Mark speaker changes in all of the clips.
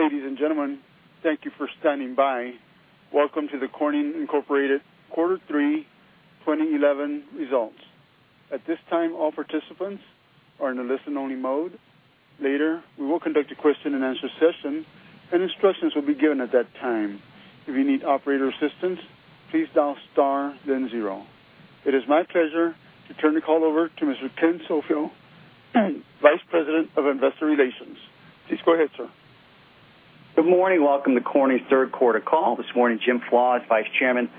Speaker 1: Ladies and gentlemen, thank you for standing by. Welcome to the Corning Incorporated Quarter Three 2011 Results. At this time, all participants are in a listen-only mode. Later, we will conduct a question and answer session, and instructions will be given at that time. If you need operator assistance, please dial star, then zero. It is my pleasure to turn the call over to Mr. Ken Sofio, Vice President of Investor Relations. Please go ahead, sir.
Speaker 2: Good morning. Welcome to Corning's Third Quarter Call. This morning, James Flaws, Vice Chairman,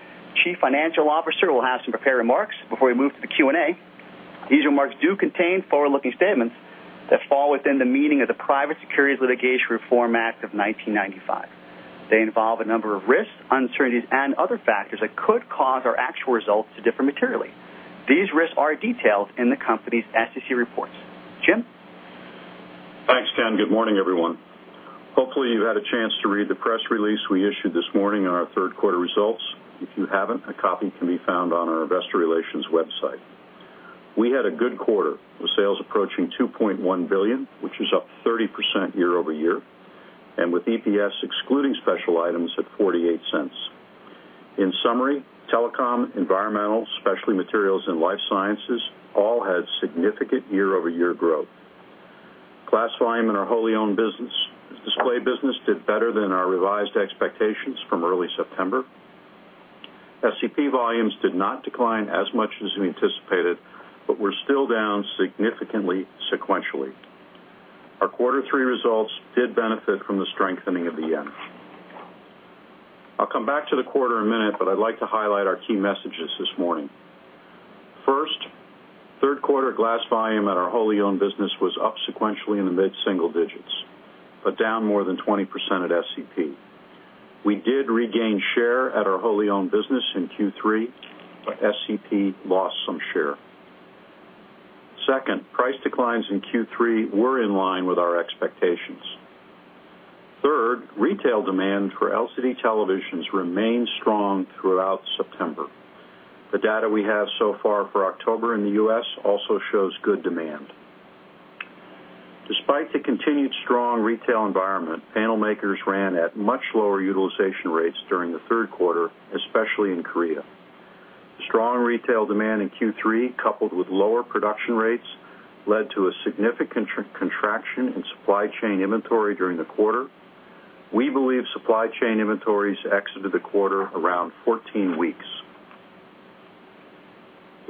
Speaker 2: Chief Financial Officer, will have some prepared remarks before we move to the Q&A. These remarks do contain forward-looking statements that fall within the meaning of the Private Securities Litigation Reform Act of 1995. They involve a number of risks, uncertainties, and other factors that could cause our actual results to differ materially. These risks are detailed in the company's SEC reports. Jim?
Speaker 3: Thanks, Ken. Good morning, everyone. Hopefully, you've had a chance to read the press release we issued this morning on our third quarter results. If you haven't, a copy can be found on our Investor Relations website. We had a good quarter, with sales approaching $2.1 billion, which is up 30% year-over-year, and with EPS excluding special items at $0.48. In summary, telecom, environmental, specialty materials, and life sciences all had significant year-over-year growth. Glass volume in our wholly owned display business did better than our revised expectations from early September. SEP volumes did not decline as much as we anticipated, but were still down significantly sequentially. Our third quarter results did benefit from the strengthening of the yen. I'll come back to the quarter in a minute, but I'd like to highlight our key messages this morning. First, third quarter glass volume in our wholly owned business was up sequentially in the mid-single digits, but down more than 20% at SEP. We did regain share at our wholly owned business in Q3, but SEP lost some share. Second, price declines in Q3 were in line with our expectations. Third, retail demand for LCD televisions remained strong throughout September. The data we have so far for October in the U.S. also shows good demand. Despite the continued strong retail environment, panel makers ran at much lower utilization rates during the third quarter, especially in Korea. The strong retail demand in Q3, coupled with lower production rates, led to a significant contraction in supply chain inventory during the quarter. We believe supply chain inventories exited the quarter around 14 weeks.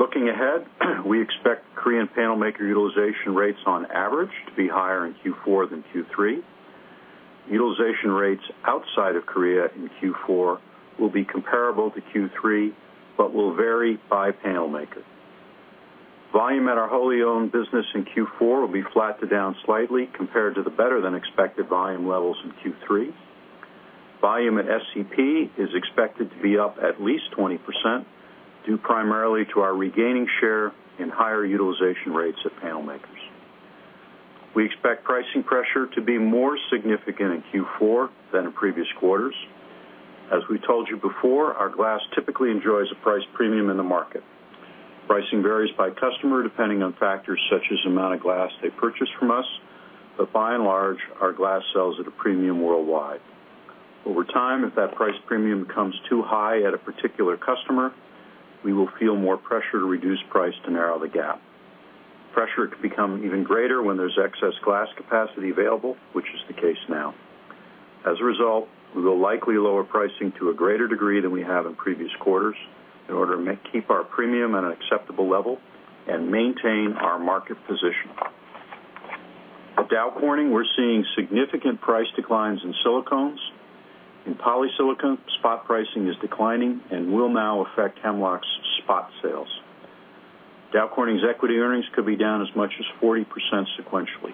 Speaker 3: Looking ahead, we expect Korean panel maker utilization rates on average to be higher in Q4 than Q3. Utilization rates outside of Korea in Q4 will be comparable to Q3, but will vary by panel maker. Volume at our wholly owned business in Q4 will be flat to down slightly compared to the better-than-expected volume levels in Q3. Volume at SEP is expected to be up at least 20%, due primarily to our regaining share and higher utilization rates at panel makers. We expect pricing pressure to be more significant in Q4 than in previous quarters. As we told you before, our glass typically enjoys a price premium in the market. Pricing varies by customer depending on factors such as the amount of glass they purchase from us, but by and large, our glass sells at a premium worldwide. Over time, if that price premium becomes too high at a particular customer, we will feel more pressure to reduce price to narrow the gap. Pressure could become even greater when there's excess glass capacity available, which is the case now. As a result, we will likely lower pricing to a greater degree than we have in previous quarters in order to keep our premium at an acceptable level and maintain our market position. At Dow Corning, we're seeing significant price declines in silicones. In polysilicones, spot pricing is declining and will now affect Hemlock's spot sales. Dow Corning's equity earnings could be down as much as 40% sequentially.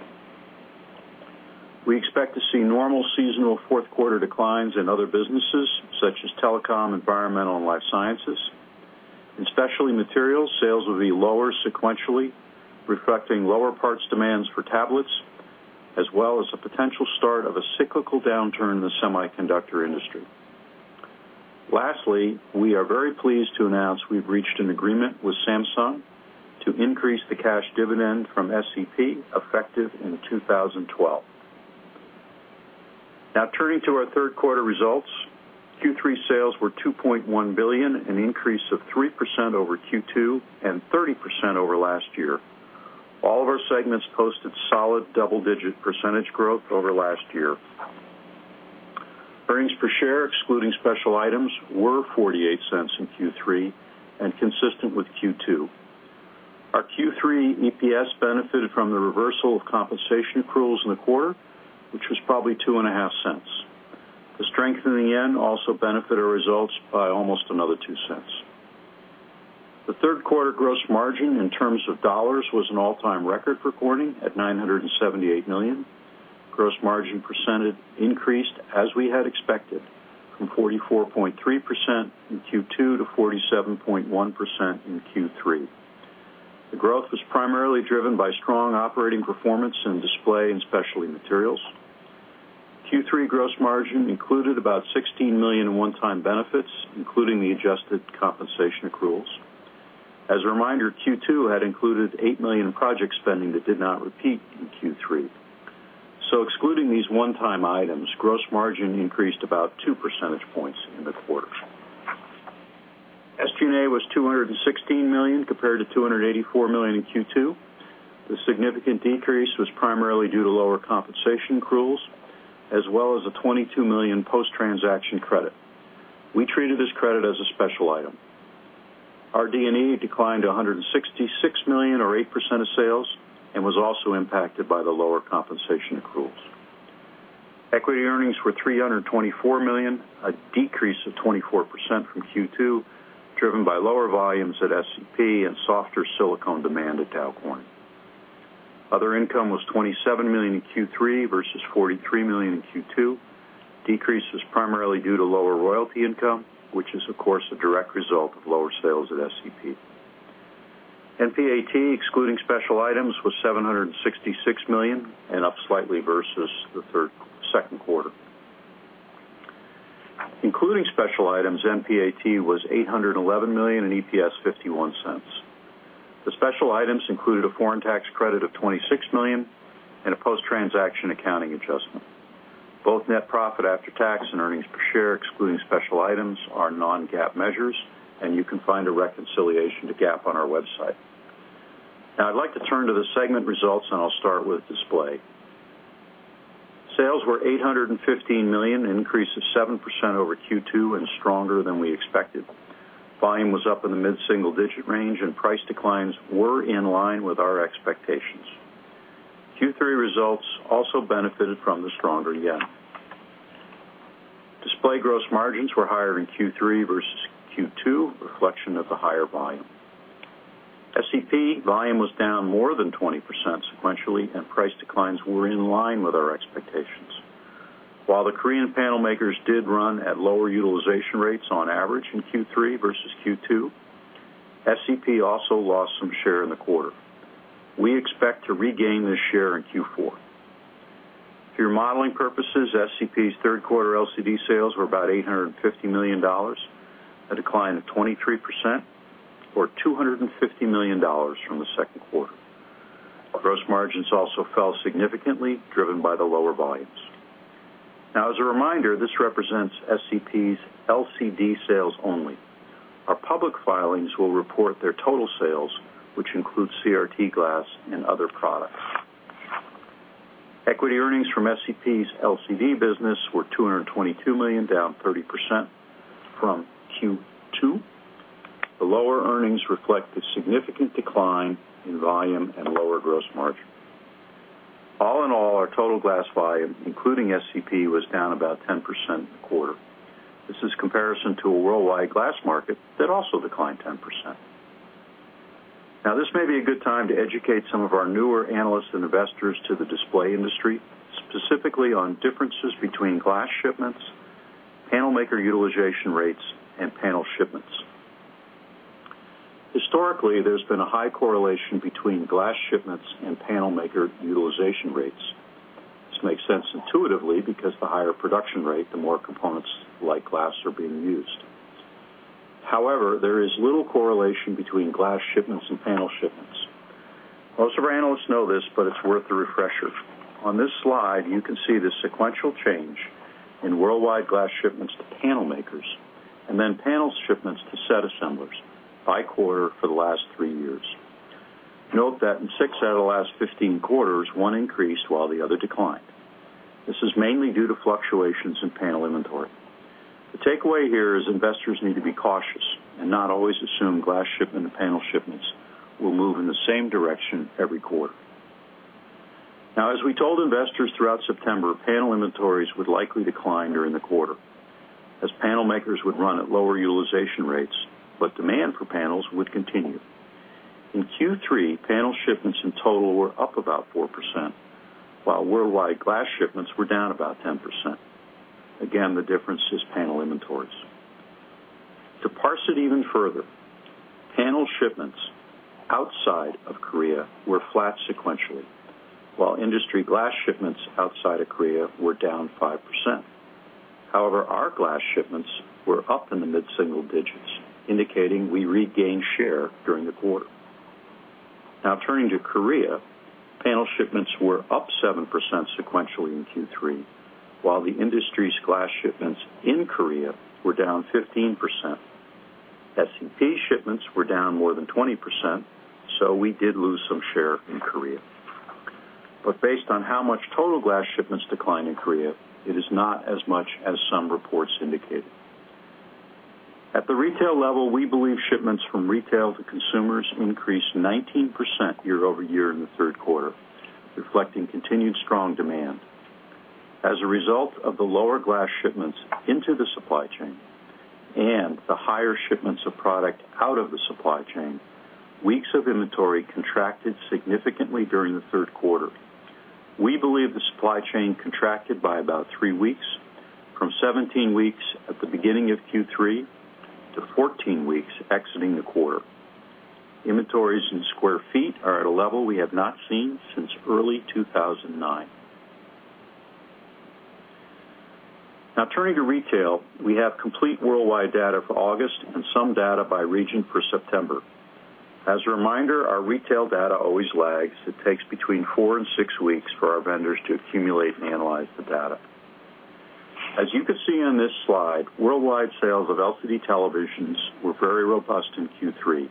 Speaker 3: We expect to see normal seasonal fourth quarter declines in other businesses such as telecom, environmental, and life sciences. In Specialty Materials, sales will be lower sequentially, reflecting lower parts demands for tablets, as well as a potential start of a cyclical downturn in the semiconductor industry. Lastly, we are very pleased to announce we've reached an agreement with Samsung to increase the cash dividend from SEP effective in 2012. Now, turning to our third quarter results, Q3 sales were $2.1 billion, an increase of 3% over Q2 and 30% over last year. All of our segments posted solid double-digit percentage growth over last year. Earnings per share, excluding special items, were $0.48 in Q3 and consistent with Q2. Our Q3 EPS benefited from the reversal of compensation accruals in the quarter, which was probably $2.5.ti The strengthening yen also benefited our results by almost another $0.02. The third quarter gross margin in terms of dollars was an all-time record for Corning at $978 million. Gross margin percentage increased as we had expected, from 44.3% in Q2 to 47.1% in Q3. The growth was primarily driven by strong operating performance in Display and Specialty Materials. Q3 gross margin included about $16 million in one-time benefits, including the adjusted compensation accruals. As a reminder, Q2 had included $8 million in project spending that did not repeat in Q3. Excluding these one-time items, gross margin increased about 2 percentage points in the quarters. SG&A was $216 million compared to $284 million in Q2. The significant decrease was primarily due to lower compensation accruals, as well as a $22 million post-transaction credit. We treated this credit as a special item. RD&E declined to $166 million, or 8% of sales, and was also impacted by the lower compensation accruals. Equity earnings were $324 million, a decrease of 24% from Q2, driven by lower volumes at SEP and softer silicone demand at Dow Corning. Other income was $27 million in Q3 versus $43 million in Q2. The decrease was primarily due to lower royalty income, which is, of course, a direct result of lower sales at SEP. NPAT, excluding special items, was $766 million and up slightly versus the second quarter. Including special items, NPAT was $811 million and EPS $0.51. The special items included a foreign tax credit of $26 million and a post-transaction accounting adjustment. Both net profit after tax and earnings per share, excluding special items, are non-GAAP measures, and you can find a reconciliation to GAAP on our website. Now, I'd like to turn to the segment results, and I'll start with display. Sales were $815 million, an increase of 7% over Q2 and stronger than we expected. Volume was up in the mid-single-digit range, and price declines were in line with our expectations. Q3 results also benefited from the stronger yen. Display gross margins were higher in Q3 versus Q2, a reflection of the higher volume. SEP volume was down more than 20% sequentially, and price declines were in line with our expectations. While the Korean panel makers did run at lower utilization rates on average in Q3 versus Q2, SEP also lost some share in the quarter. We expect to regain this share in Q4. For your modeling purposes, SEP's third quarter LCD sales were about $850 million, a decline of 23%, or $250 million from the second quarter. Our gross margins also fell significantly, driven by the lower volumes. Now, as a reminder, this represents SEP's LCD sales only. Our public filings will report their total sales, which include CRT glass and other products. Equity earnings from SEP's LCD business were $222 million, down 30% from Q2. The lower earnings reflect a significant decline in volume and lower gross margin. All in all, our total glass volume, including SEP, was down about 10% in the quarter. This is a comparison to a worldwide glass market that also declined 10%. Now, this may be a good time to educate some of our newer analysts and investors to the display industry, specifically on differences between glass shipments, panel maker utilization rates, and panel shipments. Historically, there's been a high correlation between glass shipments and panel maker utilization rates. This makes sense intuitively because the higher production rate, the more components like glass are being used. However, there is little correlation between glass shipments and panel shipments. Most of our analysts know this, but it's worth the refreshers. On this slide, you can see the sequential change in worldwide glass shipments to panel makers and then panel shipments to set assemblers by quarter for the last three years. Note that in six out of the last 15 quarters, one increased while the other declined. This is mainly due to fluctuations in panel inventory. The takeaway here is investors need to be cautious and not always assume glass shipment and panel shipments will move in the same direction every quarter. Now, as we told investors throughout September, panel inventories would likely decline during the quarter as panel makers would run at lower utilization rates, but demand for panels would continue. In Q3, panel shipments in total were up about 4%, while worldwide glass shipments were down about 10%. Again, the difference is panel inventories. To parse it even further, panel shipments outside of Korea were flat sequentially, while industry glass shipments outside of Korea were down 5%. However, our glass shipments were up in the mid-single digits, indicating we regained share during the quarter. Now, turning to Korea, panel shipments were up 7% sequentially in Q3, while the industry's glass shipments in Korea were down 15%. SEP shipments were down more than 20%, so we did lose some share in Korea. Based on how much total glass shipments declined in Korea, it is not as much as some reports indicated. At the retail level, we believe shipments from retail to consumers increased 19% year-over-year in the third quarter, reflecting continued strong demand. As a result of the lower glass shipments into the supply chain and the higher shipments of product out of the supply chain, weeks of inventory contracted significantly during the third quarter. We believe the supply chain contracted by about three weeks, from 17 weeks at the beginning of Q3 to 14 weeks exiting the quarter. Inventories in square feet are at a level we have not seen since early 2009. Now, turning to retail, we have complete worldwide data for August and some data by region for September. As a reminder, our retail data always lags. It takes between four and six weeks for our vendors to accumulate and analyze the data. As you can see on this slide, worldwide sales of LCD televisions were very robust in Q3.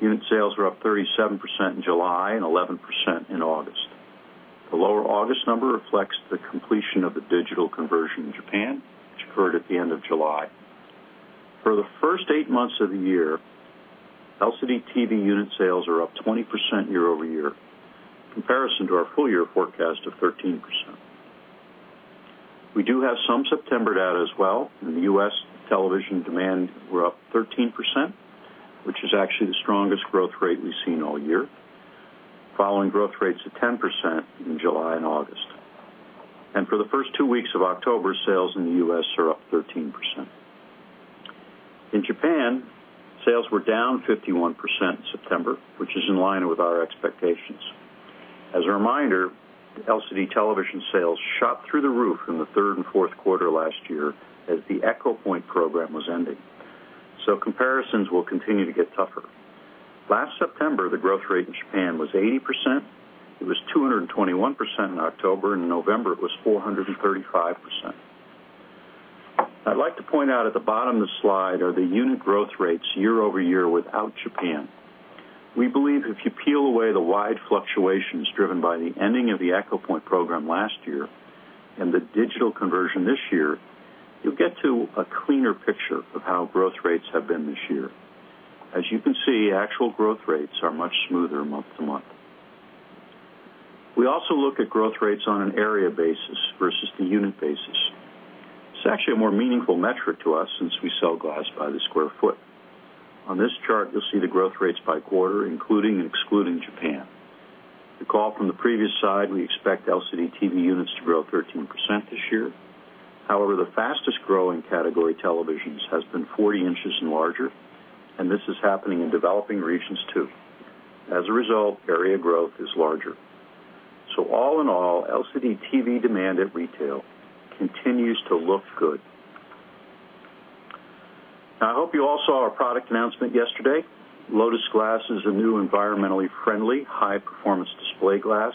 Speaker 3: Unit sales were up 37% in July and 11% in August. The lower August number reflects the completion of the digital conversion in Japan, which occurred at the end of July. For the first eight months of the year, LCD TV unit sales are up 20% year-over-year, in comparison to our full year forecast of 13%. We do have some September data as well. In the U.S., television demand grew up 13%, which is actually the strongest growth rate we've seen all year, following growth rates of 10% in July and August. For the first two weeks of October, sales in the U.S. are up 13%. In Japan, sales were down 51% in September, which is in line with our expectations. As a reminder, LCD television sales shot through the roof in the third and fourth quarter last year as the Echo Point program was ending. Comparisons will continue to get tougher. Last September, the growth rate in Japan was 80%. It was 221% in October, and in November, it was 435%. I'd like to point out at the bottom of the slide are the unit growth rates year-over-year without Japan. We believe if you peel away the wide fluctuations driven by the ending of the Echo Point program last year and the digital conversion this year, you'll get to a cleaner picture of how growth rates have been this year. As you can see, actual growth rates are much smoother month to month. We also look at growth rates on an area basis versus the unit basis. It's actually a more meaningful metric to us since we sell glass by the square foot. On this chart, you'll see the growth rates by quarter, including and excluding Japan. The call from the previous slide, we expect LCD TV units to grow 13% this year. However, the fastest growing category televisions has been 40 inches and larger, and this is happening in developing regions too. As a result, area growth is larger. All in all, LCD TV demand at retail continues to look good. I hope you all saw our product announcement yesterday. Lotus Glass is a new environmentally friendly, high-performance display glass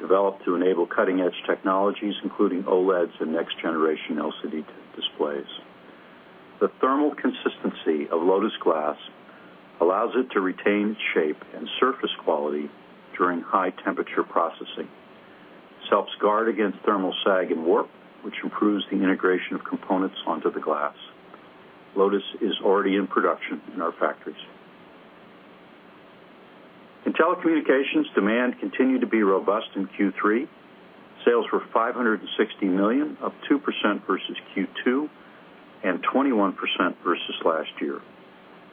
Speaker 3: developed to enable cutting-edge technologies, including OLEDs and next-generation LCD displays. The thermal consistency of Lotus Glass allows it to retain shape and surface quality during high-temperature processing. This helps guard against thermal sag and warp, which improves the integration of components onto the glass. Lotus is already in production in our factories. In telecommunications, demand continued to be robust in Q3. Sales were $560 million, up 2% versus Q2 and 21% versus last year.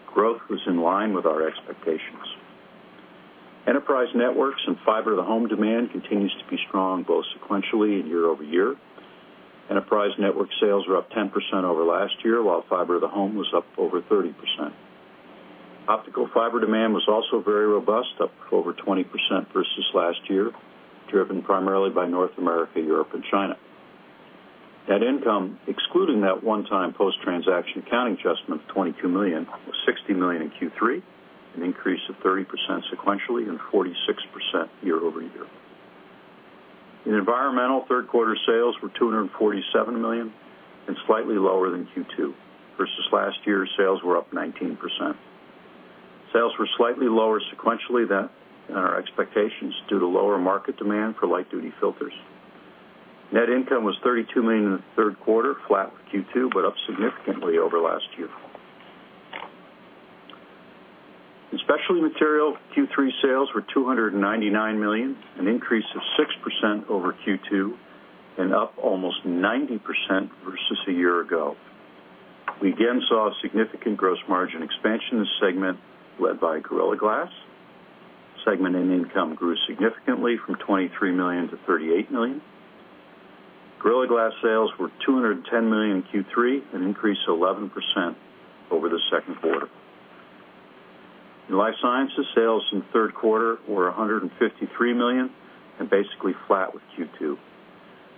Speaker 3: Growth was in line with our expectations. Enterprise networks and fiber-to-the-home demand continues to be strong, both sequentially and year-over-year. Enterprise network sales were up 10% over last year, while fiber-to-the-home was up over 30%. Optical fiber demand was also very robust, up over 20% versus last year, driven primarily by North America, Europe, and China. Net income, excluding that one-time post-transaction accounting adjustment of $22 million, was $60 million in Q3, an increase of 30% sequentially and 46% year-over-year. In Environmental Technologies, third quarter sales were $247 million and slightly lower than Q2. Versus last year, sales were up 19%. Sales were slightly lower sequentially than our expectations due to lower market demand for light-duty filters. Net income was $32 million in the third quarter, flat for Q2, but up significantly over last year. In Specialty Materials, Q3 sales were $299 million, an increase of 6% over Q2 and up almost 90% versus a year ago. We again saw a significant gross margin expansion in this segment led by Gorilla Glass. Segment income grew significantly from $23 million-$38 million. Gorilla Glass sales were $210 million in Q3, an increase of 11% over the second quarter. In Life Sciences, sales in the third quarter were $153 million and basically flat with Q2.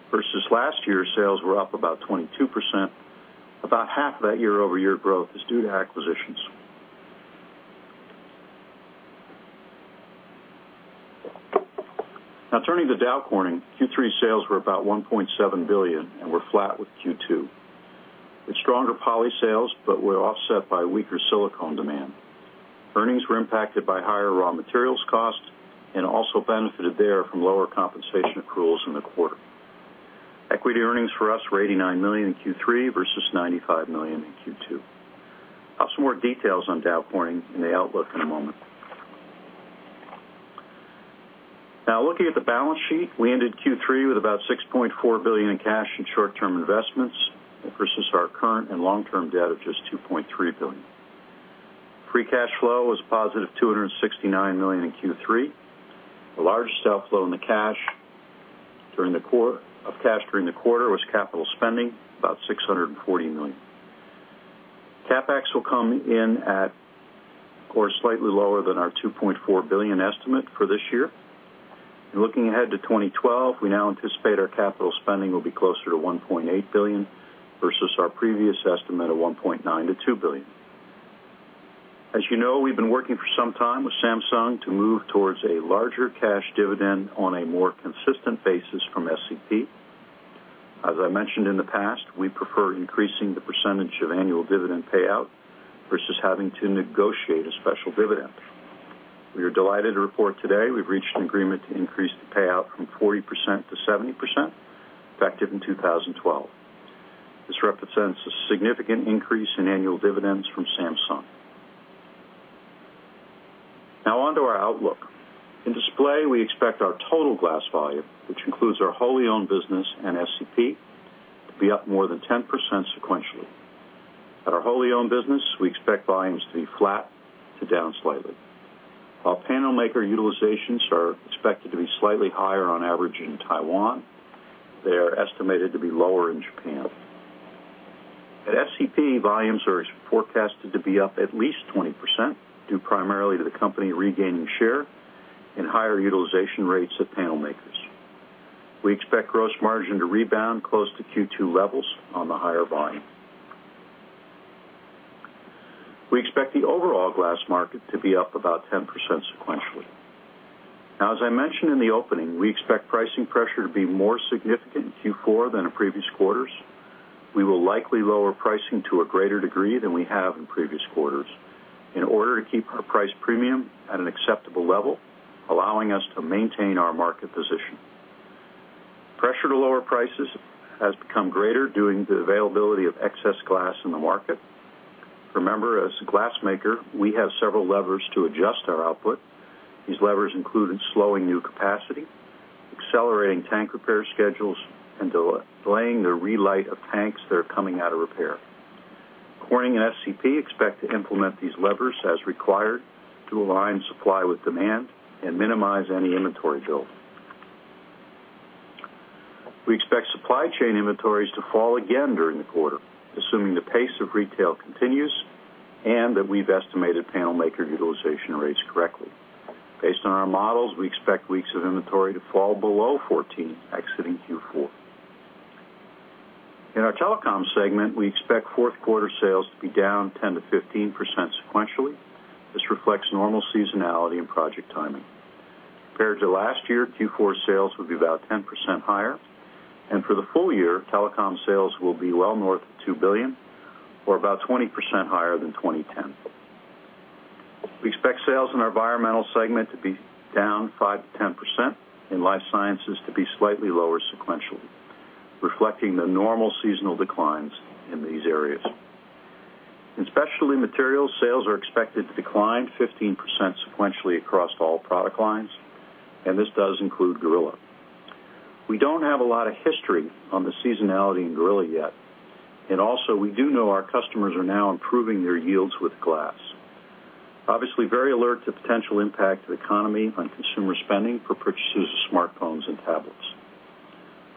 Speaker 3: Versus last year, sales were up about 22%. About 1/2 of that year-over-year growth is due to acquisitions. Now, turning to Dow Corning, Q3 sales were about $1.7 billion and were flat with Q2. We had stronger poly sales, but were offset by weaker silicone demand. Earnings were impacted by higher raw materials costs and also benefited there from lower compensation accruals in the quarter. Equity earnings for us were $89 million in Q3 versus $95 million in Q2. I'll have some more details on Dow Corning and the outlook in a moment. Now, looking at the balance sheet, we ended Q3 with about $6.4 billion in cash and short-term investments versus our current and long-term debt of just $2.3 billion. Free cash flow was a +$269 million in Q3. The largest outflow in the cash during the quarter was capital spending, about $640 million. CapEx will come in at, of course, slightly lower than our $2.4 billion estimate for this year. Looking ahead to 2012, we now anticipate our capital spending will be closer to $1.8 billion versus our previous estimate of $1.9 billion-$2 billion. As you know, we've been working for some time with Samsung to move towards a larger cash dividend on a more consistent basis from SEP. As I mentioned in the past, we prefer increasing the percentage of annual dividend payout versus having to negotiate a special dividend. We are delighted to report today we've reached an agreement to increase the payout from 40%-70% effective in 2012. This represents a significant increase in annual dividends from Samsung. Now, onto our outlook. In display, we expect our total glass volume, which includes our wholly owned business and SEP, to be up more than 10% sequentially. At our wholly owned business, we expect volumes to be flat to down slightly. Our panel maker utilizations are expected to be slightly higher on average in Taiwan. They are estimated to be lower in Japan. At SEP, volumes are forecasted to be up at least 20%, due primarily to the company regaining share and higher utilization rates at panel makers. We expect gross margin to rebound close to Q2 levels on the higher volume. We expect the overall glass market to be up about 10% sequentially. As I mentioned in the opening, we expect pricing pressure to be more significant in Q4 than in previous quarters. We will likely lower pricing to a greater degree than we have in previous quarters in order to keep our price premium at an acceptable level, allowing us to maintain our market position. Pressure to lower prices has become greater due to the availability of excess glass in the market. Remember, as a glass maker, we have several levers to adjust our output. These levers include slowing new capacity, accelerating tank repair schedules, and delaying the relight of tanks that are coming out of repair. Corning and SEP expect to implement these levers as required to align supply with demand and minimize any inventory build. We expect supply chain inventories to fall again during the quarter, assuming the pace of retail continues and that we've estimated panel maker utilization rates correctly. Based on our models, we expect weeks of inventory to fall below 14 exiting Q4. In our telecom segment, we expect fourth quarter sales to be down 10% to 15% sequentially. This reflects normal seasonality and project timing. Compared to last year, Q4 sales would be about 10% higher, and for the full year, telecom sales will be well north of $2 billion, or about 20% higher than 2010. We expect sales in our Environmental Technologies segment to be down 5%-10% and Life Sciences to be slightly lower sequentially, reflecting the normal seasonal declines in these areas. In Specialty Materials, sales are expected to decline 15% sequentially across all product lines, and this does include Gorilla. We don't have a lot of history on the seasonality in Gorilla yet, and also we do know our customers are now improving their yields with glass. Obviously, very alert to the potential impact to the economy on consumer spending for purchases of smartphones and tablets.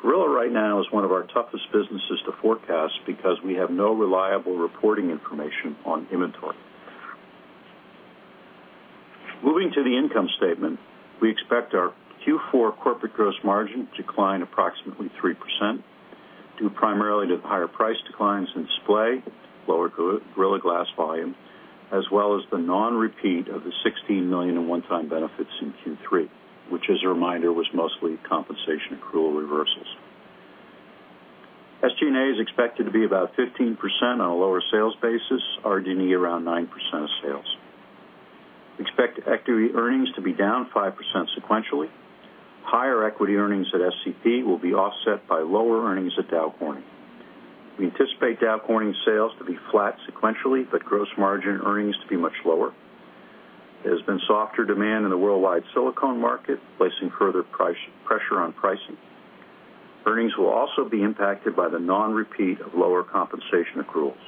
Speaker 3: Gorilla right now is one of our toughest businesses to forecast because we have no reliable reporting information on inventory. Moving to the income statement, we expect our Q4 corporate gross margin to decline approximately 3%, due primarily to the higher price declines in display, lower Gorilla Glass volume, as well as the non-repeat of the $16 million in one-time benefits in Q3, which, as a reminder, was mostly compensation accrual reversals. SG&A is expected to be about 15% on a lower sales basis, RG&E around 9% of sales. We expect equity earnings to be down 5% sequentially. Higher equity earnings at Samsung Corning Precision Materials will be offset by lower earnings at Dow Corning. We anticipate Dow Corning sales to be flat sequentially, but gross margin earnings to be much lower. There's been softer demand in the worldwide silicone market, placing further pressure on pricing. Earnings will also be impacted by the non-repeat of lower compensation accruals.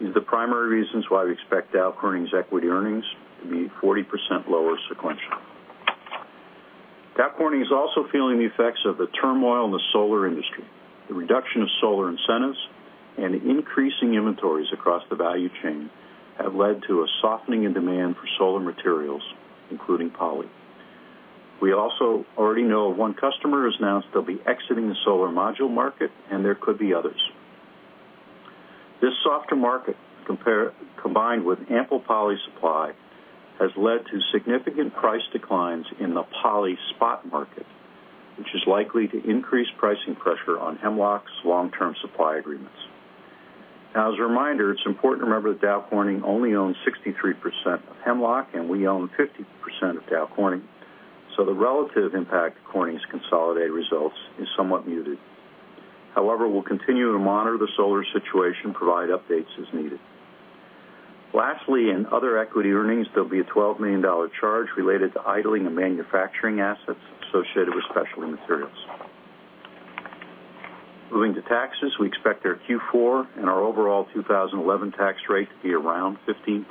Speaker 3: These are the primary reasons why we expect Dow Corning's equity earnings to be 40% lower sequentially. Dow Corning is also feeling the effects of the turmoil in the solar industry. The reduction of solar incentives and increasing inventories across the value chain have led to a softening in demand for solar materials, including poly. We also already know one customer has announced they'll be exiting the solar module market, and there could be others. This softer market, combined with ample poly supply, has led to significant price declines in the poly spot market, which is likely to increase pricing pressure on Hemlock's long-term supply agreements. Now, as a reminder, it's important to remember that Dow Corning only owns 63% of Hemlock, and we own 50% of Dow Corning, so the relative impact of Corning's consolidated results is somewhat muted. However, we'll continue to monitor the solar situation, provide updates as needed. Lastly, in other equity earnings, there'll be a $12 million charge related to idling and manufacturing assets associated with Specialty Materials. Moving to taxes, we expect our Q4 and our overall 2011 tax rate to be around 15%.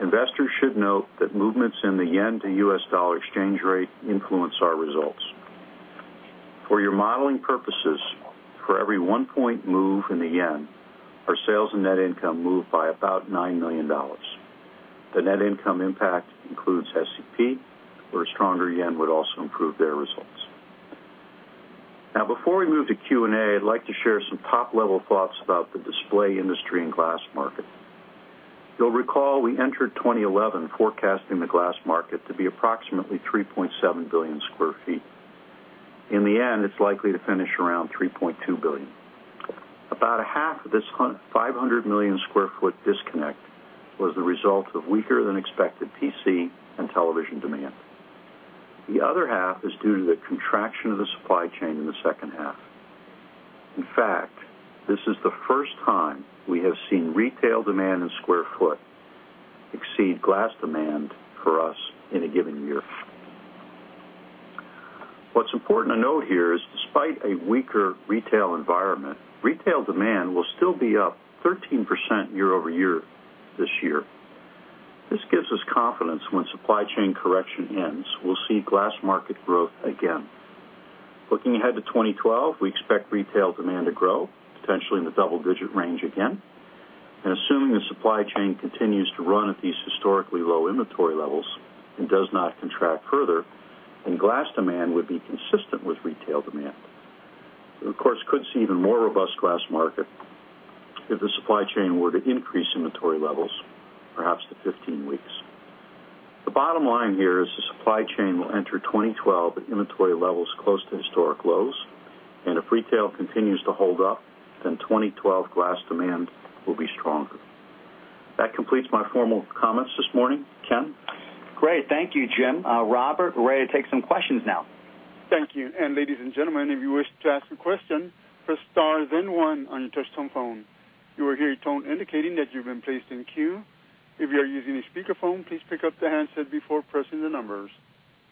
Speaker 3: Investors should note that movements in the yen to U.S. dollar exchange rate influence our results. For your modeling purposes, for every one point move in the yen, our sales and net income move by about $9 million. The net income impact includes SEP, where a stronger yen would also improve their results. Now, before we move to Q&A, I'd like to share some top-level thoughts about the display industry and glass market. You'll recall we entered 2011 forecasting the glass market to be approximately 3.7 billion sq ft. In the end, it's likely to finish around 3.2 billion. About 1/2 of this 500 million sq ft disconnect was the result of weaker than expected PC and television demand. The other 1/2 is due to the contraction of the supply chain in the second half. In fact, this is the first time we have seen retail demand in square foot exceed glass demand for us in a given year. What's important to note here is, despite a weaker retail environment, retail demand will still be up 13% year-over-year this year. This gives us confidence when supply chain correction ends, we'll see glass market growth again. Looking ahead to 2012, we expect retail demand to grow, potentially in the double-digit range again, and assuming the supply chain continues to run at these historically low inventory levels and does not contract further, glass demand would be consistent with retail demand. Of course, we could see even more robust glass market if the supply chain were to increase inventory levels, perhaps to 15 weeks. The bottom line here is the supply chain will enter 2012 at inventory levels close to historic lows, and if retail continues to hold up, then 2012 glass demand will be stronger. That completes my formal comments this morning, Ken.
Speaker 2: Great. Thank you, Jim. Robert, we're ready to take some questions now.
Speaker 1: Thank you. Ladies and gentlemen, if you wish to ask a question, press star then one on your touch telephone. You will hear a tone indicating that you've been placed in queue. If you are using a speakerphone, please pick up the handset before pressing the numbers.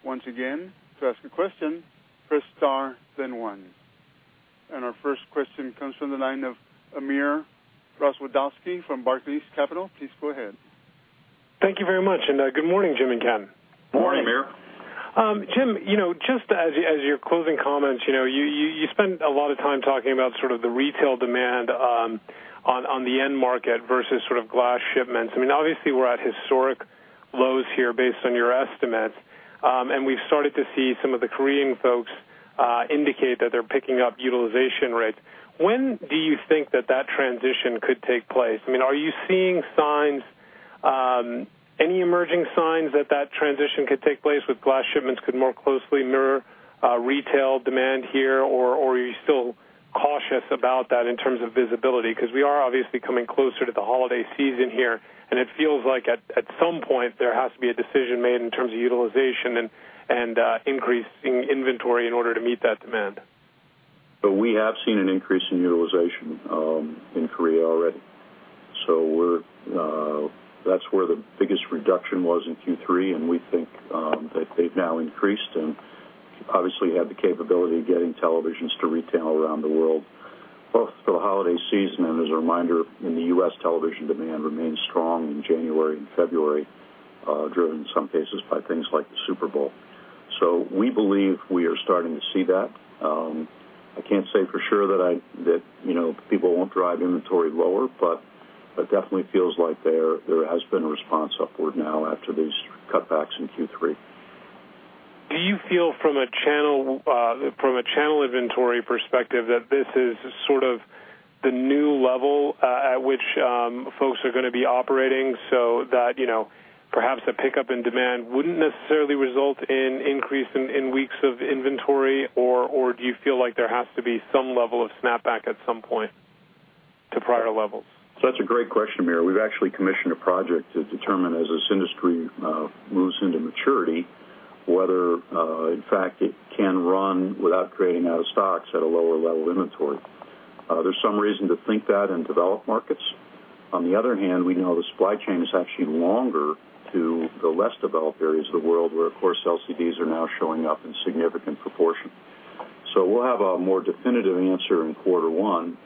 Speaker 1: Once again, to ask a question, press star then one. Our first question comes from the line of Amir Rozwadowski from Barclays. Please go ahead.
Speaker 4: Thank you very much, and good morning, Jim and Ken.
Speaker 3: Morning, Amir.
Speaker 4: Jim, just as your closing comments, you spend a lot of time talking about the retail demand on the end market versus glass shipments. Obviously, we're at historic lows here based on your estimates, and we've started to see some of the Korean folks indicate that they're picking up utilization rates. When do you think that transition could take place? Are you seeing any emerging signs that that transition could take place where glass shipments could more closely mirror retail demand here, or are you still cautious about that in terms of visibility? We are obviously coming closer to the holiday season here, and it feels like at some point there has to be a decision made in terms of utilization and increasing inventory in order to meet that demand.
Speaker 3: We have seen an increase in utilization in Korea already. That's where the biggest reduction was in Q3, and we think that they've now increased and obviously had the capability of getting televisions to retail around the world, both for the holiday season and, as a reminder, in the U.S., television demand remains strong in January and February, driven in some cases by things like the Super Bowl. We believe we are starting to see that. I can't say for sure that people won't drive inventory lower, but it definitely feels like there has been a response upward now after these cutbacks in Q3.
Speaker 4: Do you feel from a channel inventory perspective that this is sort of the new level at which folks are going to be operating, so that perhaps a pickup in demand wouldn't necessarily result in an increase in weeks of inventory, or do you feel like there has to be some level of snapback at some point to prior levels?
Speaker 3: That's a great question, Amir. We've actually commissioned a project to determine, as this industry moves into maturity, whether in fact it can run without creating out of stocks at a lower level inventory. There's some reason to think that in developed markets. On the other hand, we know the supply chain is actually longer to the less developed areas of the world where, of course, LCDs are now showing up in significant proportion. We'll have a more definitive answer in quarter one.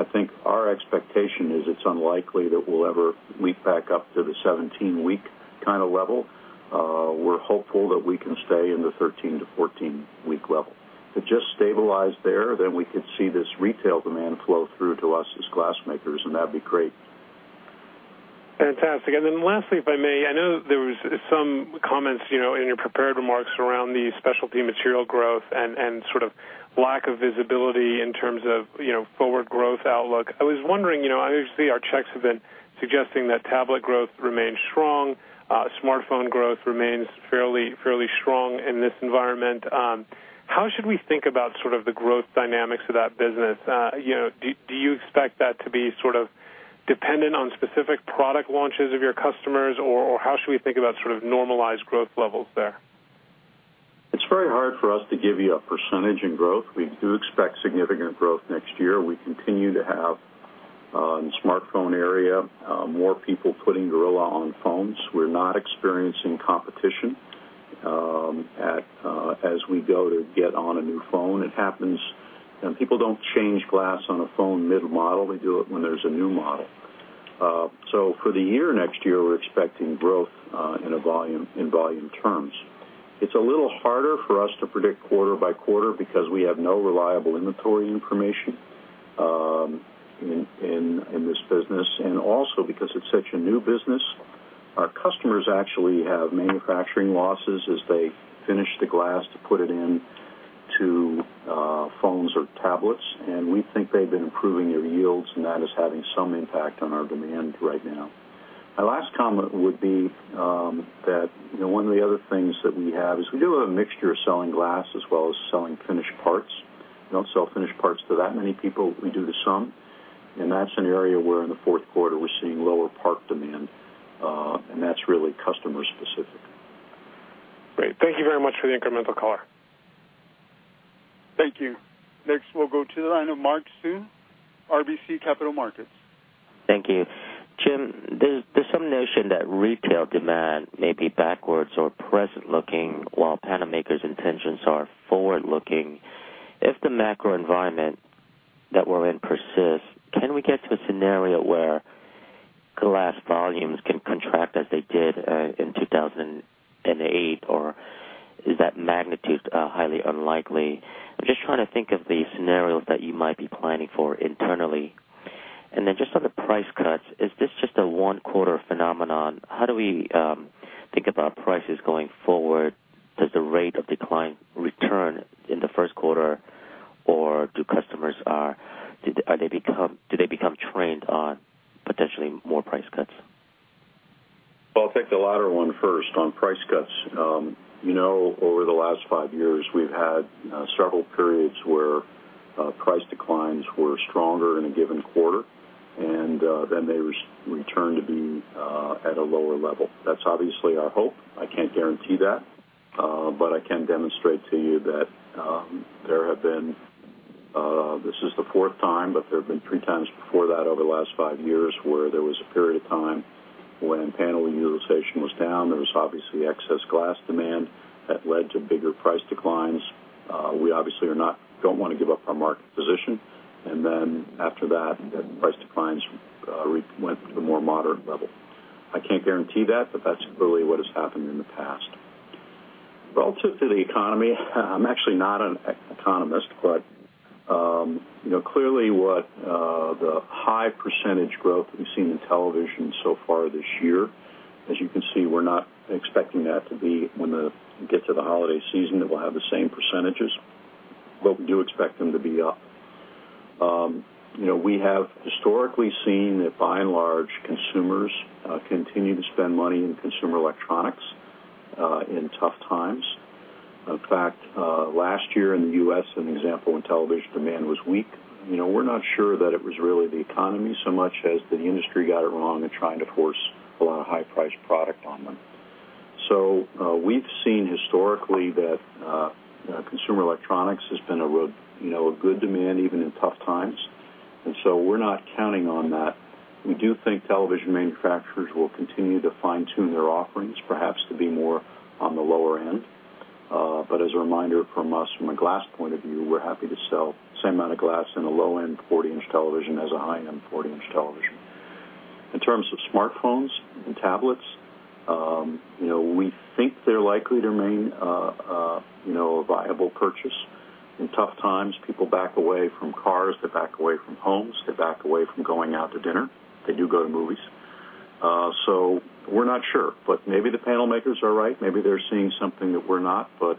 Speaker 3: I think our expectation is it's unlikely that we'll ever leap back up to the 17-week kind of level. We're hopeful that we can stay in the 13-14 week level. If it just stabilized there, then we could see this retail demand flow through to us as glass makers, and that'd be great.
Speaker 4: Fantastic. Lastly, if I may, I know there were some comments in your prepared remarks around the Specialty Materials growth and sort of lack of visibility in terms of forward growth outlook. I was wondering, obviously, our checks have been suggesting that tablet growth remains strong, smartphone growth remains fairly strong in this environment. How should we think about sort of the growth dynamics of that business? Do you expect that to be sort of dependent on specific product launches of your customers, or how should we think about sort of normalized growth levels there?
Speaker 3: It's very hard for us to give you a percentage in growth. We do expect significant growth next year. We continue to have, in the smartphone area, more people putting Gorilla Glass on phones. We're not experiencing competition as we go to get on a new phone. It happens, and people don't change glass on a phone mid-model. They do it when there's a new model. For the year next year, we're expecting growth in volume terms. It's a little harder for us to predict quarter by quarter because we have no reliable inventory information in this business, and also because it's such a new business. Customers actually have manufacturing losses as they finish the glass to put it into phones or tablets, and we think they've been improving their yields, and that is having some impact on our demand right now. My last comment would be that one of the other things that we have is we do have a mixture of selling glass as well as selling finished parts. We don't sell finished parts to that many people. We do to some, and that's an area where in the fourth quarter we're seeing lower part demand, and that's really customer specific.
Speaker 4: Great, thank you very much for the incremental color.
Speaker 1: Thank you. Next, we'll go to the line of Mark Sun, RBC Capital Markets.
Speaker 5: Thank you. Jim, there's some notion that retail demand may be backwards or present-looking while panel makers' intentions are forward-looking. If the macro environment that we're in persists, can we get to a scenario where glass volumes can contract as they did in 2008, or is that magnitude highly unlikely? Just trying to think of the scenarios that you might be planning for internally. On the price cuts, is this just a one-quarter phenomenon? How do we think about prices going forward? Does the rate of decline return in the first quarter, or do customers become trained on potentially more price cuts?
Speaker 3: I'll take the latter one first on price cuts. Over the last five years, we've had several periods where price declines were stronger in a given quarter, and then they returned to be at a lower level. That's obviously our hope. I can't guarantee that, but I can demonstrate to you that there have been, this is the fourth time, but there have been three times before that over the last five years where there was a period of time when panel utilization was down. There was obviously excess glass demand that led to bigger price declines. We obviously don't want to give up our market position, and then after that, price declines went to a more moderate level. I can't guarantee that, but that's really what has happened in the past. Relative to the economy, I'm actually not an economist, but clearly, with the high percentage growth we've seen in television so far this year, as you can see, we're not expecting that to be, when we get to the holiday season, that we'll have the same percentage, but we do expect them to be up. We have historically seen that, by and large, consumers continue to spend money in consumer electronics in tough times. In fact, last year in the U.S., an example when television demand was weak, we're not sure that it was really the economy so much as the industry got it wrong in trying to force a lot of high-priced product on them. We've seen historically that consumer electronics has been a good demand even in tough times, and we're not counting on that. We do think television manufacturers will continue to fine-tune their offerings, perhaps to be more on the lower end. As a reminder from us, from a glass point of view, we're happy to sell the same amount of glass in a low-end 40-inch television as a high-end 40-inch television. In terms of smartphones and tablets, we think they're likely to remain a viable purchase. In tough times, people back away from cars, they back away from homes, they back away from going out to dinner. They do go to movies. We're not sure, but maybe the panel makers are right. Maybe they're seeing something that we're not, but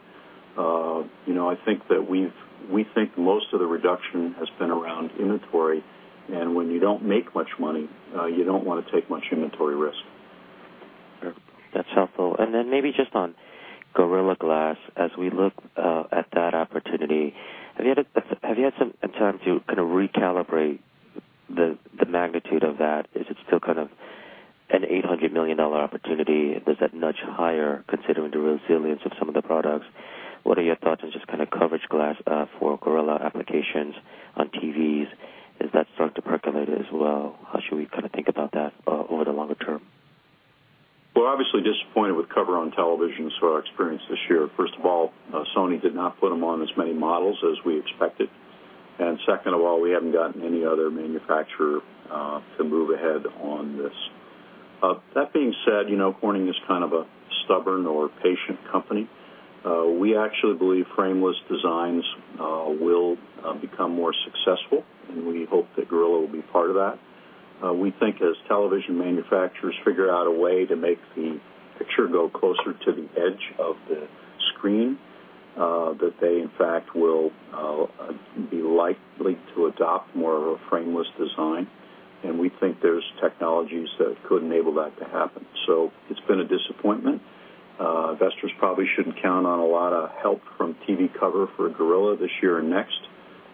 Speaker 3: I think that we think most of the reduction has been around inventory, and when you don't make much money, you don't want to take much inventory risk.
Speaker 5: That's helpful. Maybe just on Gorilla Glass, as we look at that opportunity, have you had some time to kind of recalibrate the magnitude of that? Is it still kind of an $800 million opportunity? Does that nudge higher considering the resilience of some of the products? What are your thoughts on just kind of cover glass for Gorilla applications on TVs? Is that starting to percolate as well? How should we kind of think about that over the longer term?
Speaker 3: We're obviously disappointed with cover glass on televisions for our experience this year. First of all, Sony did not put them on as many models as we expected. Second of all, we haven't gotten any other manufacturer to move ahead on this. That being said, Corning is kind of a stubborn or patient company. We actually believe frameless designs will become more successful, and we hope that Gorilla Glass will be part of that. We think as television manufacturers figure out a way to make the picture go closer to the edge of the screen, that they, in fact, will be likely to adopt more of a frameless design, and we think there's technologies that could enable that to happen. It's been a disappointment. Investors probably shouldn't count on a lot of help from TV cover glass for Gorilla Glass this year and next,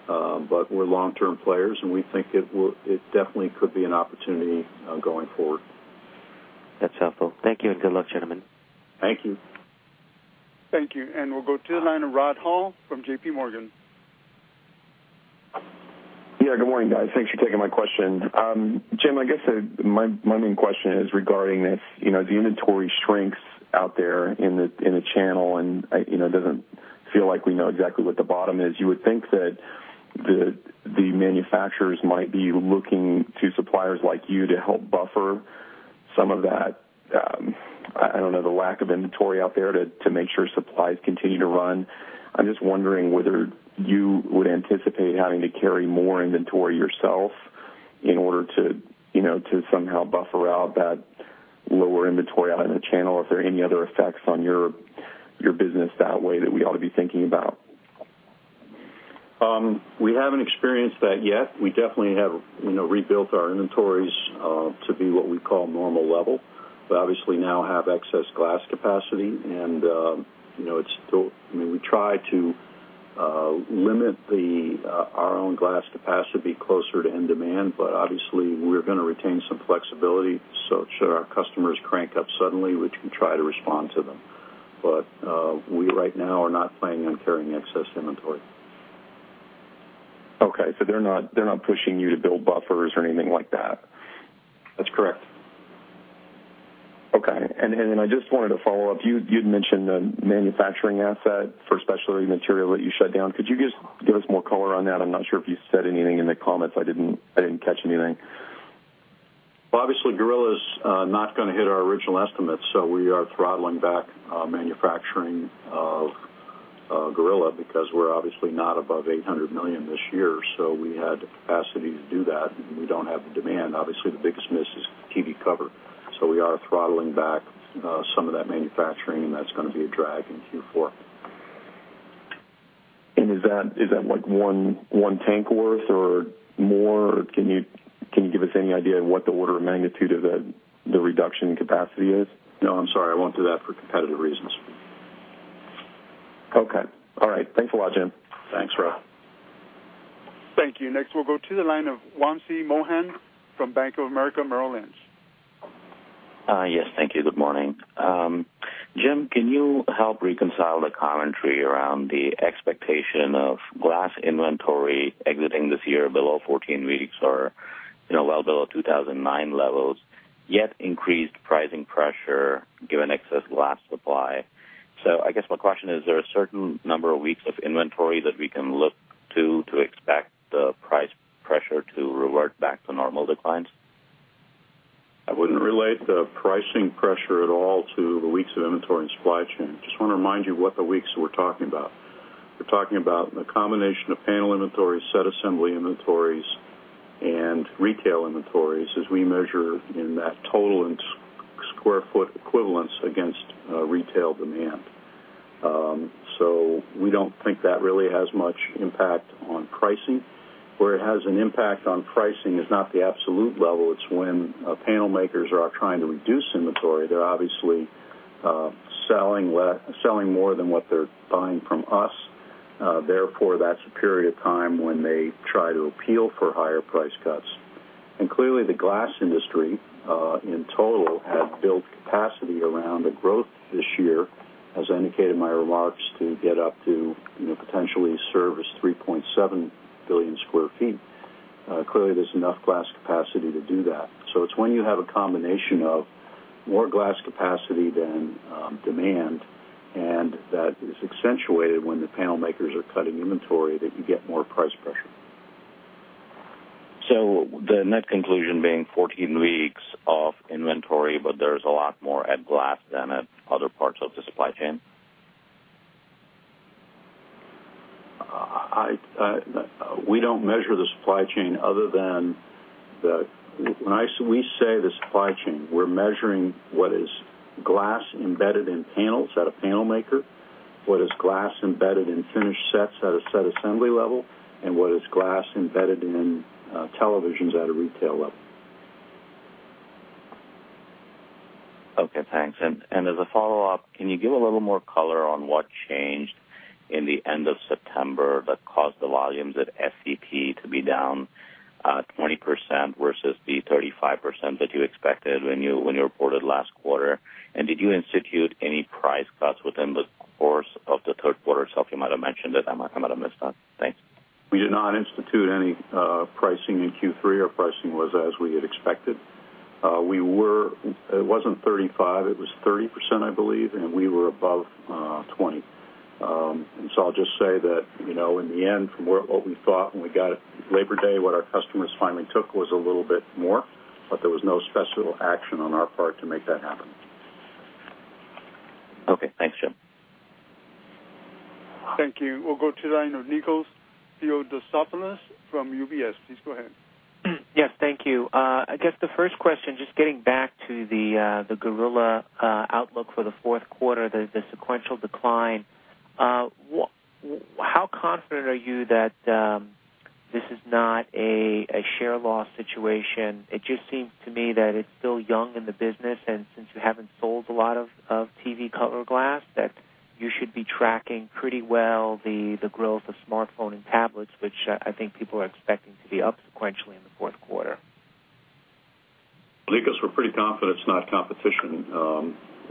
Speaker 3: but we're long-term players, and we think it definitely could be an opportunity going forward.
Speaker 5: That's helpful. Thank you, and good luck, gentlemen.
Speaker 3: Thank you.
Speaker 1: Thank you. We'll go to the line of Rod Hall from JPMorgan.
Speaker 6: Good morning, guys. Thanks for taking my question. Jim, I guess my main question is regarding this. The inventory shrinks out there in a channel, and it doesn't feel like we know exactly what the bottom is. You would think that the manufacturers might be looking to suppliers like you to help buffer some of that, the lack of inventory out there to make sure supplies continue to run. I'm just wondering whether you would anticipate having to carry more inventory yourself in order to somehow buffer out that lower inventory out in the channel, if there are any other effects on your business that way that we ought to be thinking about.
Speaker 3: We haven't experienced that yet. We definitely have rebuilt our inventories to be what we call normal level, but obviously now have excess glass capacity. I mean, we try to limit our own glass capacity to be closer to end demand, but obviously, we're going to retain some flexibility. Should our customers crank up suddenly, we can try to respond to them. We right now are not planning on carrying excess inventory.
Speaker 6: Okay, they're not pushing you to build buffers or anything like that.
Speaker 3: That's correct.
Speaker 6: Okay. I just wanted to follow up. You'd mentioned the manufacturing asset for Specialty Materials that you shut down. Could you give us more color on that? I'm not sure if you said anything in the comments. I didn't catch anything.
Speaker 3: Gorilla is not going to hit our original estimates, so we are throttling back manufacturing of Gorilla because we're obviously not above $800 million this year. We had the capacity to do that, and we don't have the demand. Obviously, the biggest miss is TV cover. We are throttling back some of that manufacturing, and that's going to be a drag in Q4.
Speaker 6: Is that like one tank worth or more? Can you give us any idea of what the order of magnitude of the reduction in capacity is?
Speaker 3: No, I'm sorry. I won't do that for competitive reasons.
Speaker 6: Okay. All right. Thanks a lot, Jim.
Speaker 3: Thanks, Rod.
Speaker 1: Thank you. Next, we'll go to the line of Wamsi Mohan from Bank of America Merrill Lynch.
Speaker 7: Yes. Thank you. Good morning. Jim, can you help reconcile the commentary around the expectation of glass inventory exiting this year below 14 weeks or well below 2009 levels, yet increased pricing pressure given excess glass supply? I guess my question is, is there a certain number of weeks of inventory that we can look to to expect the price pressure to revert back to normal declines?
Speaker 3: I wouldn't relate the pricing pressure at all to the weeks of inventory and supply chain. I just want to remind you what the weeks we're talking about. We're talking about the combination of panel inventories, set assembly inventories, and retail inventories as we measure in that total square foot equivalence against retail demand. We don't think that really has much impact on pricing. Where it has an impact on pricing is not the absolute level. It's when panel makers are trying to reduce inventory. They're obviously selling more than what they're buying from us. Therefore, that's a period of time when they try to appeal for higher price cuts. Clearly, the glass industry in total had built capacity around the growth this year, as I indicated in my remarks, to get up to potentially service 3.7 billion sq ft. Clearly, there's enough glass capacity to do that. It's when you have a combination of more glass capacity than demand, and that is accentuated when the panel makers are cutting inventory that you get more price pressure.
Speaker 7: The net conclusion being 14 weeks of inventory, but there's a lot more at glass than at other parts of the supply chain?
Speaker 3: We don't measure the supply chain other than when we say the supply chain, we're measuring what is glass embedded in panels at a panel maker, what is glass embedded in finished sets at a set assembly level, and what is glass embedded in televisions at a retail level.
Speaker 7: Okay. Thanks. As a follow-up, can you give a little more color on what changed in the end of September that caused the volumes at SEP to be down 20% versus the 35% that you expected when you reported last quarter? Did you institute any price cuts within the course of the third quarter itself? You might have mentioned it. I might have missed that. Thanks.
Speaker 3: We did not institute any pricing in Q3, or pricing was as we had expected. It wasn't 35%. It was 30%, I believe, and we were above 20%. I'll just say that, in the end, from what we thought when we got Labor Day, what our customers finally took was a little bit more, but there was no special action on our part to make that happen.
Speaker 7: Okay, thanks, Jim.
Speaker 1: Thank you. We'll go to the line of Nikos Theodosopoulos from UBS. Please go ahead.
Speaker 8: Yes. Thank you. I guess the first question, just getting back to the Gorilla outlook for the fourth quarter, the sequential decline, how confident are you that this is not a share loss situation? It just seems to me that it's still young in the business, and since you haven't sold a lot of TV cover glass, that you should be tracking pretty well the growth of smartphone and tablets, which I think people are expecting to be up sequentially in the fourth quarter.
Speaker 3: Nicholas, we're pretty confident it's not competition.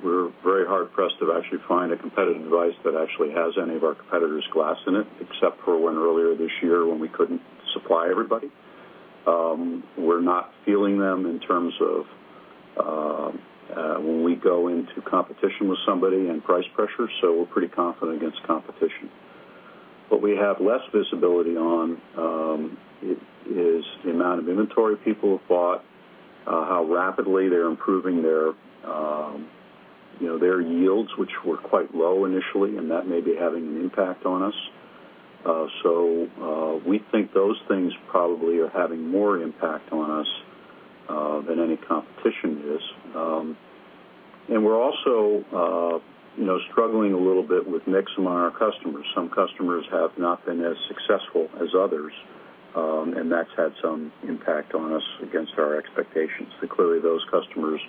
Speaker 3: We're very hard-pressed to actually find a competitive device that actually has any of our competitors' glass in it, except for one earlier this year when we couldn't supply everybody. We're not feeling them in terms of when we go into competition with somebody and price pressure, so we're pretty confident against competition. What we have less visibility on is the amount of inventory people have bought, how rapidly they're improving their yields, which were quite low initially, and that may be having an impact on us. We think those things probably are having more impact on us than any competition is. We're also struggling a little bit with mix among our customers. Some customers have not been as successful as others, and that's had some impact on us against our expectations. Clearly, those customers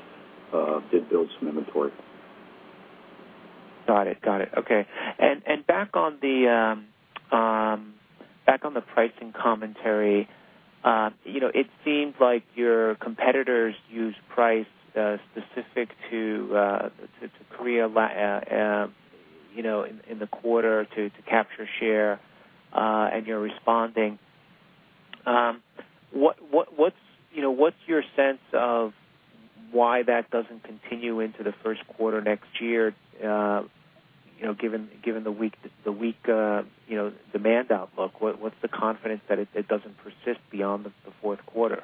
Speaker 3: did build some inventory.
Speaker 8: Got it. Okay. Back on the pricing commentary, it seemed like your competitors used price specific to Korea in the quarter to capture share, and you're responding. What's your sense of why that doesn't continue into the first quarter next year, given the weak demand outlook? What's the confidence that it doesn't persist beyond the fourth quarter?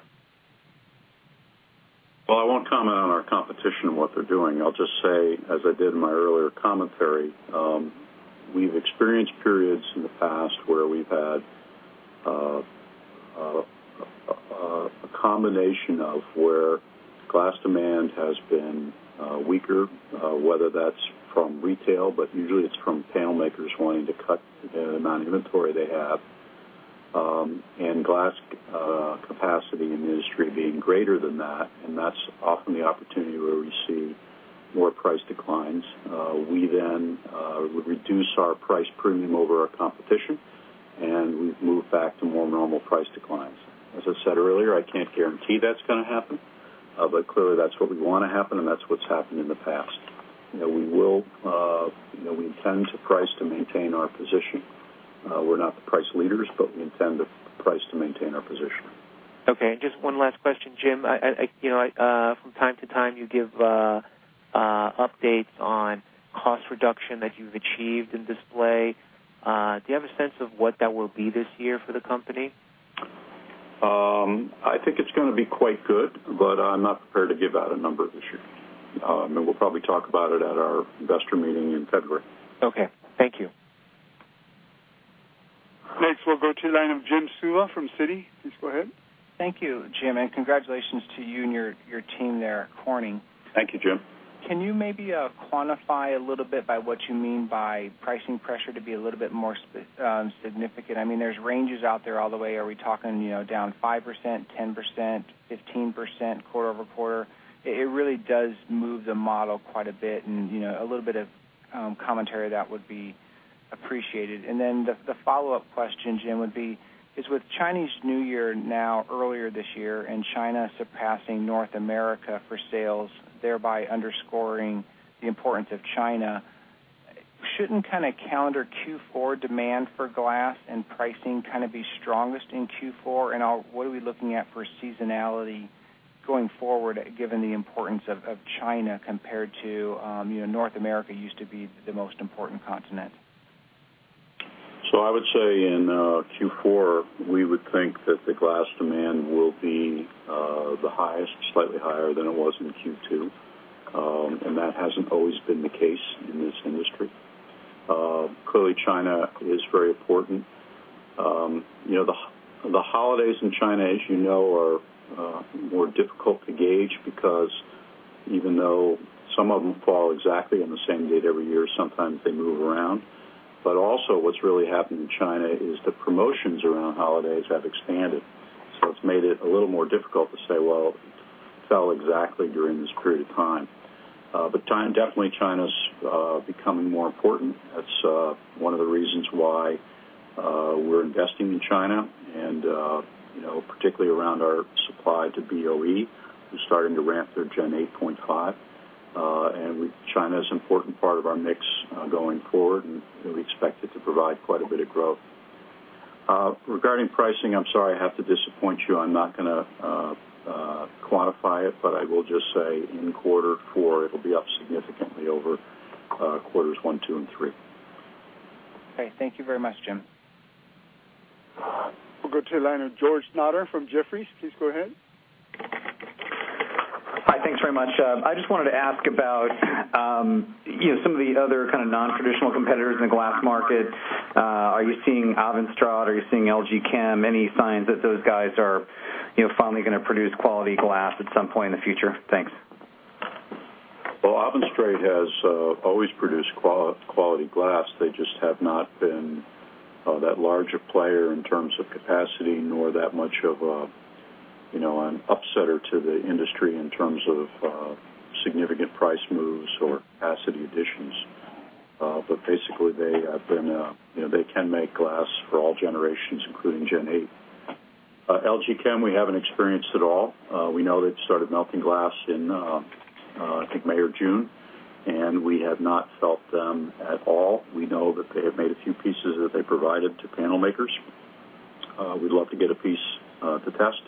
Speaker 3: I won't comment on our competition and what they're doing. I'll just say, as I did in my earlier commentary, we've experienced periods in the past where we've had a combination of where glass demand has been weaker, whether that's from retail, but usually, it's from panel makers wanting to cut the amount of inventory they have and glass capacity in the industry being greater than that. That's often the opportunity where we see more price declines. We then would reduce our price premium over our competition, and we'd move back to more normal price declines. As I said earlier, I can't guarantee that's going to happen, but clearly, that's what we want to happen, and that's what's happened in the past. We intend to price to maintain our position. We're not the price leaders, but we intend to price to maintain our position.
Speaker 8: Okay. Just one last question, Jim. You know, from time to time, you give updates on cost reduction that you've achieved in display. Do you have a sense of what that will be this year for the company?
Speaker 3: I think it's going to be quite good, but I'm not prepared to give out a number this year. I mean, we'll probably talk about it at our investor meeting in February.
Speaker 8: Okay, thank you.
Speaker 1: Next, we'll go to the line of Jim Suva from Citi. Please go ahead.
Speaker 9: Thank you, Jim, and congratulations to you and your team there, Corning.
Speaker 3: Thank you, Jim.
Speaker 9: Can you maybe quantify a little bit by what you mean by pricing pressure to be a little bit more significant? I mean, there's ranges out there all the way. Are we talking down 5%, 10%, 15% quarter over quarter? It really does move the model quite a bit, and a little bit of commentary that would be appreciated. The follow-up question, Jim, would be, is with Chinese New Year now earlier this year and China surpassing North America for sales, thereby underscoring the importance of China, shouldn't kind of calendar Q4 demand for glass and pricing kind of be strongest in Q4? What are we looking at for seasonality going forward, given the importance of China compared to North America used to be the most important continent?
Speaker 3: I would say in Q4, we would think that the glass demand will be the highest, slightly higher than it was in Q2. That hasn't always been the case in this industry. Clearly, China is very important. The holidays in China, as you know, are more difficult to gauge because even though some of them fall exactly on the same date every year, sometimes they move around. Also, what's really happened in China is the promotions around holidays have expanded. It's made it a little more difficult to say, "It fell exactly during this period of time." Definitely, China is becoming more important. That's one of the reasons why we're investing in China, and particularly around our supply to BOE, who's starting to ramp their Gen 8.5. China is an important part of our mix going forward, and we expect it to provide quite a bit of growth. Regarding pricing, I'm sorry I have to disappoint you. I'm not going to quantify it, but I will just say in Q4, it'll be up significantly over Q1, Q2, and Q3.
Speaker 9: Okay, thank you very much, Jim.
Speaker 1: We'll go to the line of George Notter from Jefferies. Please go ahead.
Speaker 10: Hi. Thanks very much. I just wanted to ask about some of the other kind of non-traditional competitors in the glass market. Are you seeing AvanStrate? Are you seeing LG Chem? Any signs that those guys are finally going to produce quality glass at some point in the future? Thanks.
Speaker 3: AvenStrate has always produced quality glass. They just have not been that large a player in terms of capacity, nor that much of an upsetter to the industry in terms of significant price moves or capacity additions. Basically, they have been, you know, they can make glass for all generations, including Gen 8. LG Chem, we haven't experienced at all. We know they've started melting glass in, I think, May or June, and we have not felt them at all. We know that they have made a few pieces that they provided to panel makers. We'd love to get a piece to test,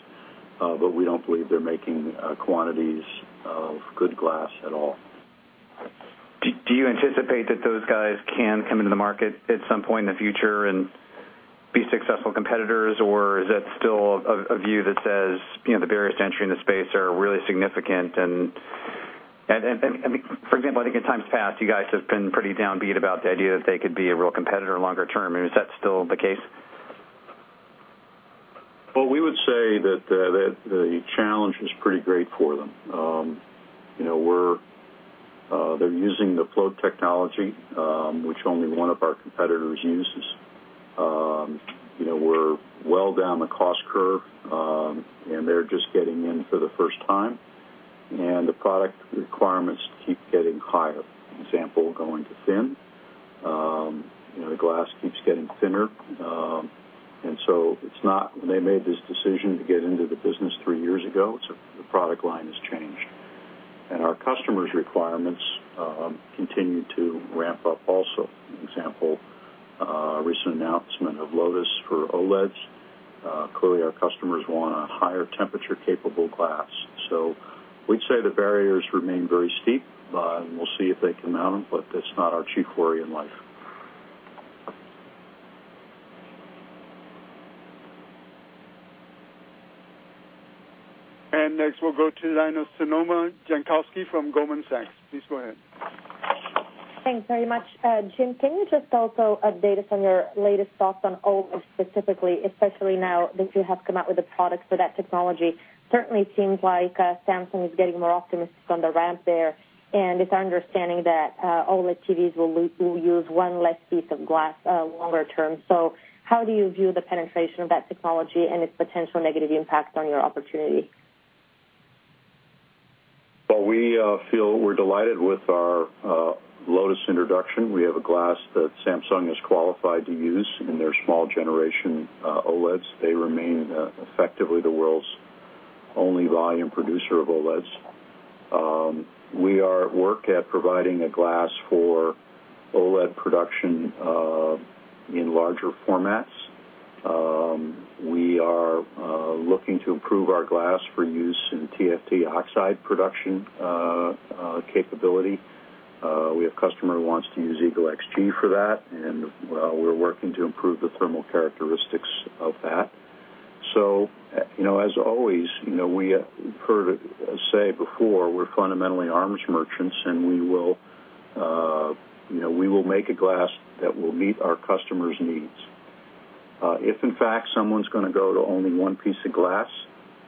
Speaker 3: but we don't believe they're making quantities of good glass at all.
Speaker 10: Do you anticipate that those guys can come into the market at some point in the future and be successful competitors, or is that still a view that says the barriers to entry in the space are really significant? For example, I think in times past, you guys have been pretty downbeat about the idea that they could be a real competitor longer term. Is that still the case?
Speaker 3: The challenge is pretty great for them. They're using the float technology, which only one of our competitors uses. We're well down the cost curve, and they're just getting in for the first time, and the product requirements keep getting higher. For example, going to thin, the glass keeps getting thinner. It's not when they made this decision to get into the business three years ago, the product line has changed, and our customers' requirements continue to ramp up also. For example, recent announcement of Lotus for OLEDs. Clearly, our customers want a higher temperature-capable glass. We'd say the barriers remain very steep, but we'll see if they come out and put this on our chief query in life.
Speaker 1: Next, we'll go to the line of Simona Jankowski from Goldman Sachs. Please go ahead.
Speaker 11: Thanks very much. Jim, can you just also update us on your latest thoughts on OLED specifically, especially now that you have come out with a product for that technology? Certainly, it seems like Samsung is getting more optimistic on the ramp there, and it's our understanding that OLED TVs will use one less piece of glass longer term. How do you view the penetration of that technology and its potential negative impacts on your opportunity?
Speaker 3: We feel we're delighted with our Lotus introduction. We have a glass that Samsung is qualified to use in their small generation OLEDs. They remain effectively the world's only volume producer of OLEDs. We work at providing a glass for OLED production in larger formats. We are looking to improve our glass for use in TFT oxide production capability. We have a customer who wants to use Eagle XG for that, and we're working to improve the thermal characteristics of that. As always, you've heard us say before, we're fundamentally arms merchants, and we will make a glass that will meet our customer's needs. If, in fact, someone's going to go to only one piece of glass,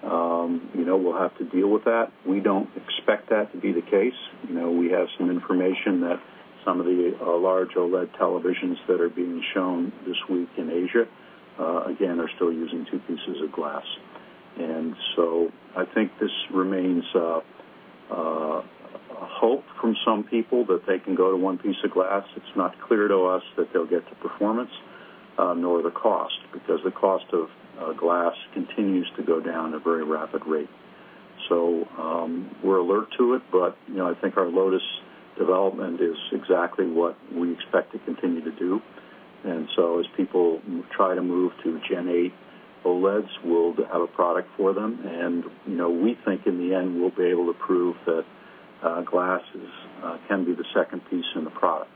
Speaker 3: we'll have to deal with that. We don't expect that to be the case. We have some information that some of the large OLED televisions that are being shown this week in Asia, again, are still using two pieces of glass. I think this remains a hope from some people that they can go to one piece of glass. It's not clear to us that they'll get to performance, nor the cost, because the cost of glass continues to go down at a very rapid rate. We're alert to it, but I think our Lotus development is exactly what we expect to continue to do. As people try to move to Gen 8 OLEDs, we'll have a product for them, and we think in the end, we'll be able to prove that glass can be the second piece in the product.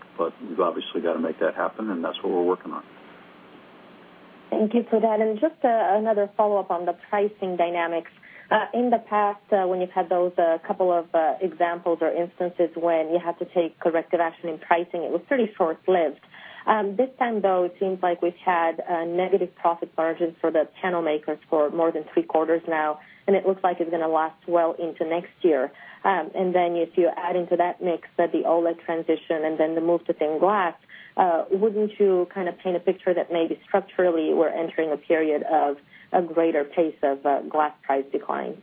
Speaker 3: We've obviously got to make that happen, and that's what we're working on.
Speaker 11: Thank you for that. Just another follow-up on the pricing dynamics. In the past, when you've had those couple of examples or instances when you had to take corrective action in pricing, it was pretty short-lived. This time, though, it seems like we've had a negative profit margin for the panel makers for more than three quarters now, and it looks like it's going to last well into next year. If you add into that mix the OLED transition and the move to thin glass, wouldn't you kind of paint a picture that maybe structurally we're entering a period of a greater pace of glass price decline?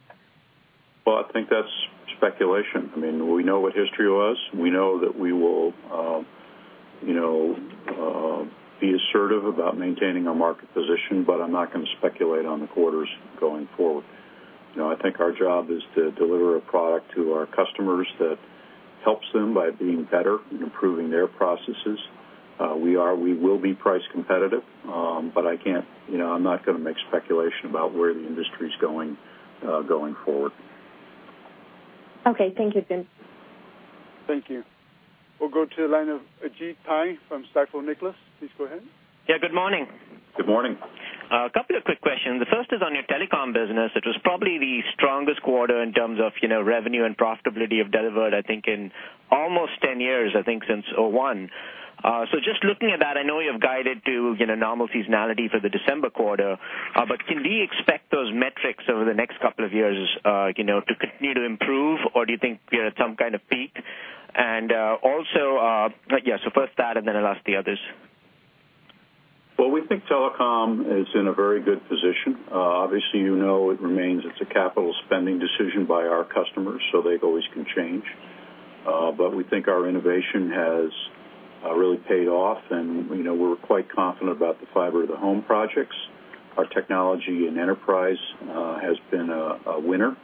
Speaker 3: I think that's speculation. I mean, we know what history was. We know that we will be assertive about maintaining our market position, but I'm not going to speculate on the quarters going forward. I think our job is to deliver a product to our customers that helps them by being better and improving their processes. We will be price competitive, but I can't, you know, I'm not going to make speculation about where the industry is going going forward.
Speaker 11: Okay. Thank you, Jim.
Speaker 1: Thank you. We'll go to the line of Jeff Payne from Stifel Nicolaus. Please go ahead.
Speaker 12: Yeah, good morning.
Speaker 3: Good morning.
Speaker 12: A couple of quick questions. The first is on your telecom business. It was probably the strongest quarter in terms of revenue and profitability you've delivered, I think, in almost 10 years, since 2001. Just looking at that, I know you've guided to normal seasonality for the December quarter, but can we expect those metrics over the next couple of years to continue to improve, or do you think we're at some kind of peak? Also, first that, and then I'll ask the others.
Speaker 3: We think telecom is in a very good position. Obviously, you know it remains a capital spending decision by our customers, so they always can change. We think our innovation has really paid off, and we're quite confident about the fiber-to-the-home projects. Our technology in enterprise has been a winner,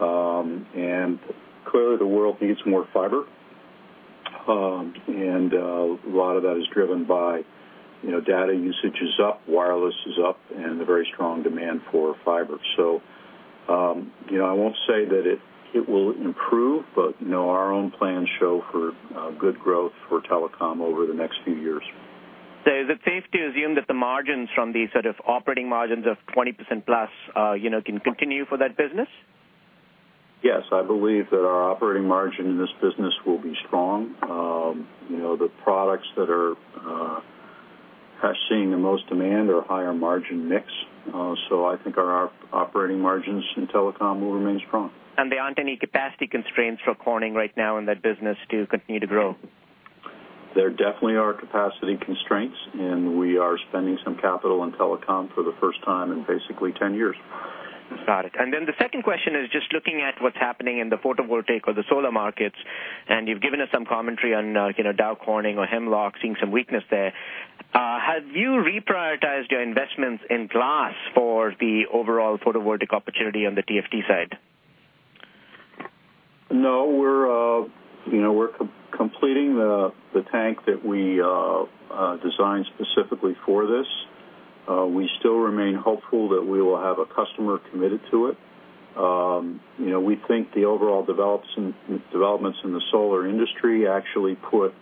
Speaker 3: and clearly, the world needs more fiber, and a lot of that is driven by data usage is up, wireless is up, and a very strong demand for fiber. You know, I won't say that it will improve, but you know our own plans show for good growth for telecom over the next few years.
Speaker 12: Is it safe to assume that the margins from these sort of operating margins of 20%+ can continue for that business?
Speaker 3: Yes. I believe that our operating margin in this business will be strong. The products that are seeing the most demand are a higher margin mix. I think our operating margins in telecom will remain strong.
Speaker 12: Are there any capacity constraints for Corning right now in that business to continue to grow?
Speaker 3: There definitely are capacity constraints, and we are spending some capital in telecom for the first time in basically 10 years.
Speaker 12: Got it. The second question is just looking at what's happening in the photovoltaic or the solar markets, and you've given us some commentary on Dow Corning or Hemlock seeing some weakness there. Have you reprioritized your investments in glass for the overall photovoltaic opportunity on the TFT side?
Speaker 3: No. We're completing the tank that we designed specifically for this. We still remain hopeful that we will have a customer committed to it. We think the overall developments in the solar industry actually put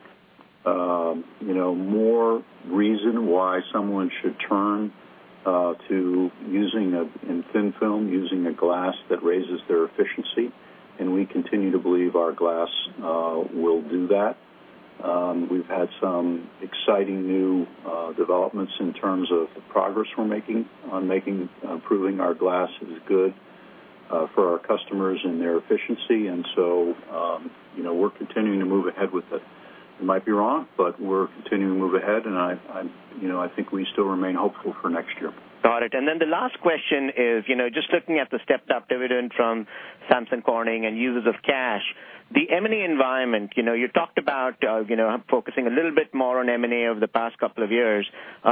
Speaker 3: more reason why someone should turn to using a thin film, using a glass that raises their efficiency, and we continue to believe our glass will do that. We've had some exciting new developments in terms of the progress we're making on proving our glass is good for our customers and their efficiency. We're continuing to move ahead with it. It might be wrong, but we're continuing to move ahead, and I think we still remain hopeful for next year.
Speaker 12: Got it. The last question is, just looking at the stepped-up dividend from Samsung Corning and users of cash, the M&A environment, you talked about focusing a little bit more on M&A over the past couple of years.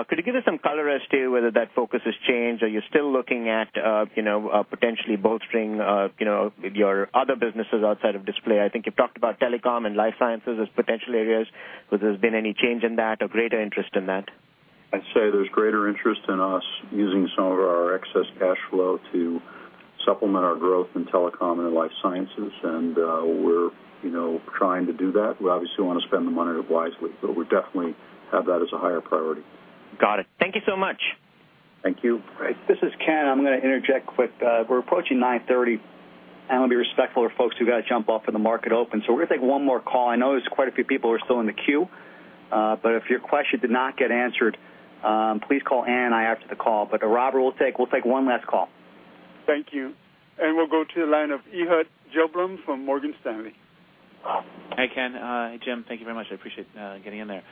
Speaker 12: Could you give us some color as to whether that focus has changed or you're still looking at potentially bolstering your other businesses outside of display? I think you've talked about telecom and life sciences as potential areas. Has there been any change in that or greater interest in that?
Speaker 3: I'd say there's greater interest in us using some of our excess cash flow to supplement our growth in telecom and life sciences, and we're trying to do that. We obviously want to spend the money wisely, but we definitely have that as a higher priority.
Speaker 12: Got it. Thank you so much.
Speaker 3: Thank you.
Speaker 2: This is Ken. I'm going to interject quick. We're approaching 9:30 A.M., and I'm going to be respectful of folks who got to jump off at the market open. We're going to take one more call. I know there's quite a few people who are still in the queue. If your question did not get answered, please call Ann and I after the call. Rob, we'll take one last call.
Speaker 1: Thank you. We'll go to the line of Ehud Gelblum from Morgan Stanley.
Speaker 13: Hi, Ken. Hi, Jim. Thank you very much. I appreciate getting in there.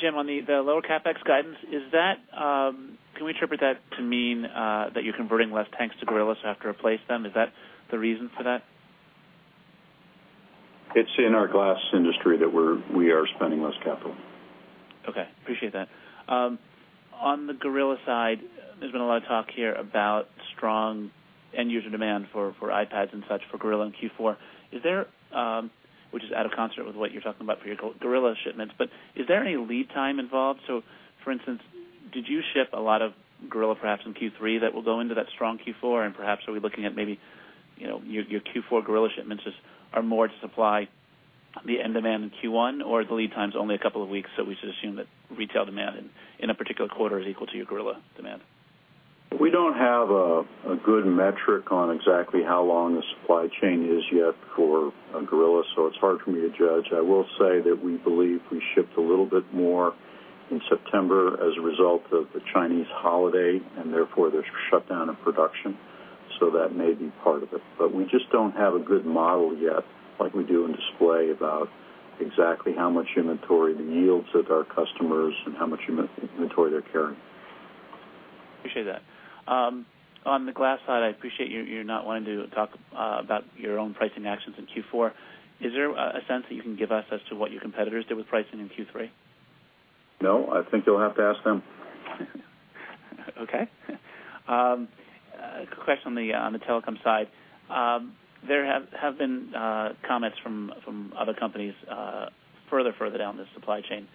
Speaker 13: Jim, on the lower CapEx guidance, can we interpret that to mean that you're converting less tanks to Gorilla after you replace them? Is that the reason for that?
Speaker 3: It's in our glass industry that we are spending less capital.
Speaker 13: Okay. Appreciate that. On the Gorilla side, there's been a lot of talk here about strong end-user demand for iPads and such for Gorilla in Q4. Is there, which is out of concert with what you're talking about for your Gorilla shipments, but is there any lead time involved? For instance, did you ship a lot of Gorilla, perhaps, in Q3 that will go into that strong Q4, and perhaps are we looking at maybe your Q4 Gorilla shipments are more to supply the end demand in Q1, or the lead time is only a couple of weeks, so we should assume that retail demand in a particular quarter is equal to your Gorilla demand?
Speaker 3: We don't have a good metric on exactly how long the supply chain is yet for Gorilla Glass, so it's hard for me to judge. I will say that we believe we shipped a little bit more in September as a result of the Chinese holiday, and therefore, there's a shutdown in production. That may be part of it. We just don't have a good model yet, like we do in display, about exactly how much inventory the yields at our customers and how much inventory they're carrying.
Speaker 13: Appreciate that. On the glass side, I appreciate you're not wanting to talk about your own pricing actions in Q4. Is there a sense that you can give us as to what your competitors do with pricing in Q3?
Speaker 3: No, I think you'll have to ask them.
Speaker 13: Okay. A quick question on the telecom side. There have been comments from other companies further and further down the supply chain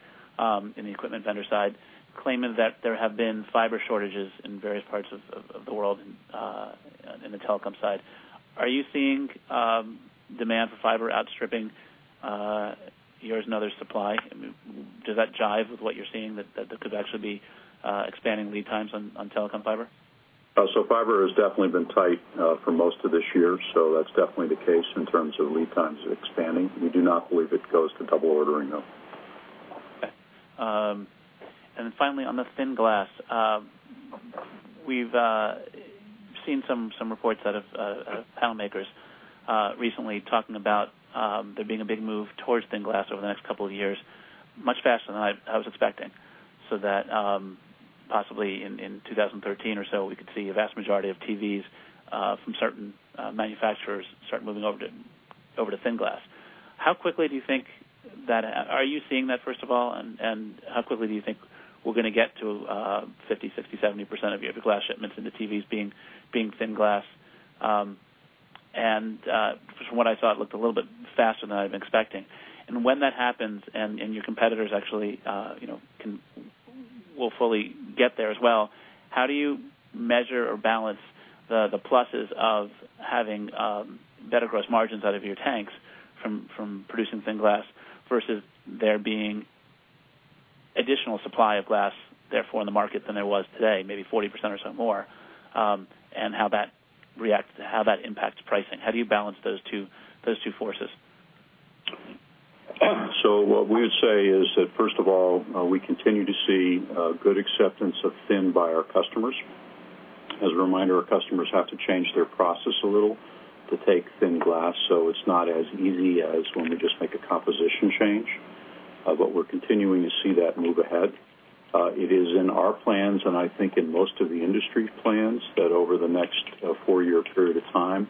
Speaker 13: in the equipment vendor side, claiming that there have been fiber shortages in various parts of the world in the telecom side. Are you seeing demand for fiber outstripping yours and others' supply? I mean, does that jive with what you're seeing that there could actually be expanding lead times on telecom fiber?
Speaker 3: Fiber has definitely been tight for most of this year, so that's definitely the case in terms of lead times expanding. We do not believe it goes to double ordering, though.
Speaker 13: Okay. Finally, on the thin glass, we've seen some reports out of panel makers recently talking about there being a big move towards thin glass over the next couple of years, much faster than I was expecting, so that possibly in 2013 or so, we could see a vast majority of TVs from certain manufacturers start moving over to thin glass. How quickly do you think that, are you seeing that, first of all, and how quickly do you think we're going to get to 50%, 60%, 70% of your glass shipments into TVs being thin glass? From what I saw, it looked a little bit faster than I'm expecting. When that happens and your competitors actually will fully get there as well, how do you measure or balance the pluses of having better gross margins out of your tanks from producing thin glass versus there being additional supply of glass, therefore, in the market than there was today, maybe 40% or so more, and how that impacts pricing? How do you balance those two forces?
Speaker 3: What we would say is that, first of all, we continue to see good acceptance of thin by our customers. As a reminder, our customers have to change their process a little to take thin glass, so it's not as easy as when they just make a composition change, but we're continuing to see that move ahead. It is in our plans, and I think in most of the industry's plans, that over the next four-year period of time,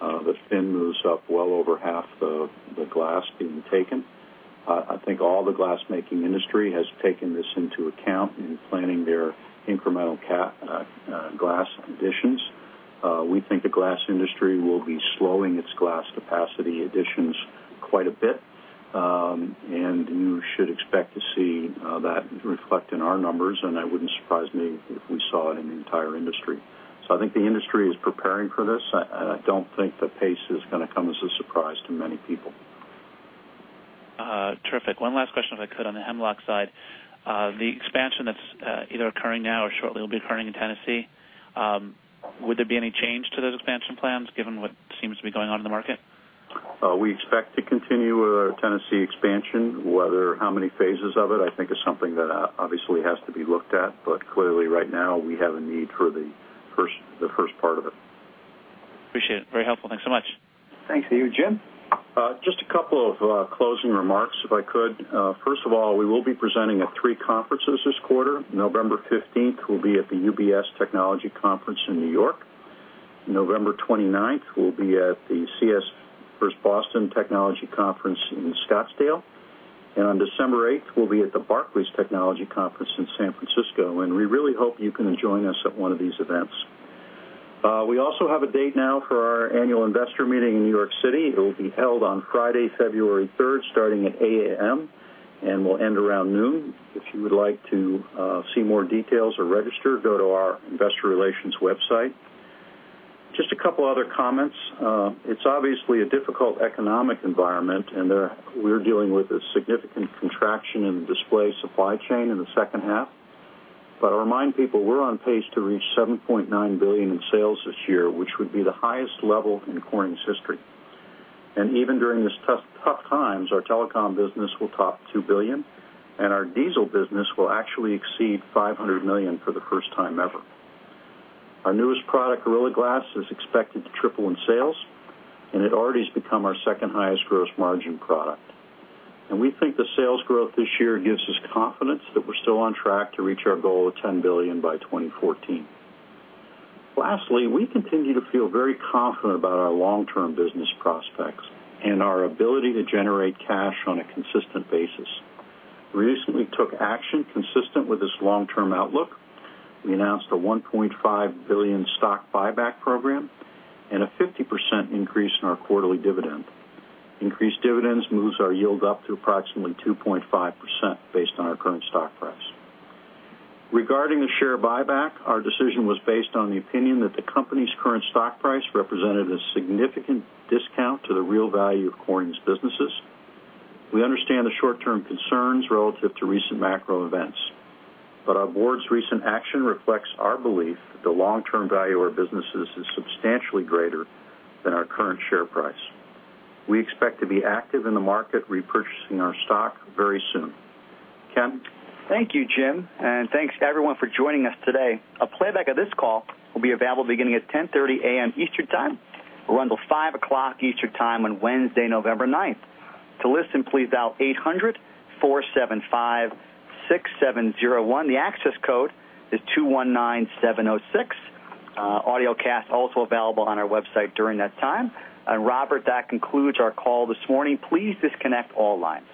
Speaker 3: the thin moves up well over half the glass being taken. I think all the glass-making industry has taken this into account in planning their incremental glass additions. We think the glass industry will be slowing its glass capacity additions quite a bit, and you should expect to see that reflect in our numbers, and it wouldn't surprise me if we saw it in the entire industry. I think the industry is preparing for this, and I don't think the pace is going to come as a surprise to many people.
Speaker 13: Terrific. One last question, if I could, on the Hemlock side. The expansion that's either occurring now or shortly will be occurring in Tennessee, would there be any change to those expansion plans given what seems to be going on in the market?
Speaker 3: We expect to continue with our Tennessee expansion. Whether how many phases of it, I think, is something that obviously has to be looked at, but clearly, right now, we have a need for the first part of it.
Speaker 13: Appreciate it. Very helpful. Thanks so much.
Speaker 2: Thanks to you, Jim. Just a couple of closing remarks, if I could. First of all, we will be presenting at three conferences this quarter. November 15th will be at the UBS Technology Conference in New York. November 29th will be at the CES First Boston Technology Conference in Scottsdale. On December 8th, we'll be at the Barclays Technology Conference in San Francisco, and we really hope you can join us at one of these events. We also have a date now for our annual investor meeting in New York City. It will be held on Friday, February 3rd, starting at 8:00 A.M., and we'll end around noon. If you would like to see more details or register, go to our Investor Relations website. A couple of other comments. It's obviously a difficult economic environment, and we're dealing with a significant contraction in the display supply chain in the second half. I remind people we're on pace to reach $7.9 billion in sales this year, which would be the highest level in Corning's history. Even during these tough times, our telecom business will top $2 billion, and our diesel business will actually exceed $500 million for the first time ever. Our newest product, Gorilla Glass, is expected to triple in sales, and it already has become our second highest gross margin product. We think the sales growth this year gives us confidence that we're still on track to reach our goal of $10 billion by 2014. Lastly, we continue to feel very confident about our long-term business prospects and our ability to generate cash on a consistent basis. We recently took action consistent with this long-term outlook. We announced a $1.5 billion stock buyback program and a 50% increase in our quarterly dividend. Increased dividends move our yield up to approximately 2.5% based on our current stock price. Regarding the share buyback, our decision was based on the opinion that the company's current stock price represented a significant discount to the real value of Corning's businesses. We understand the short-term concerns relative to recent macro events, but our board's recent action reflects our belief that the long-term value of our businesses is substantially greater than our current share price. We expect to be active in the market, repurchasing our stock very soon.
Speaker 1: Ken, thank you, Jim, and thanks to everyone for joining us today. A playback of this call will be available beginning at 10:30 A.M. Eastern Time and will run until 5:00 P.M. Eastern Time on Wednesday, November 9. To listen, please dial 800-475-6701. The access code is 219706. Audiocast is also available on our website during that time. Robert, that concludes our call this morning. Please disconnect all lines.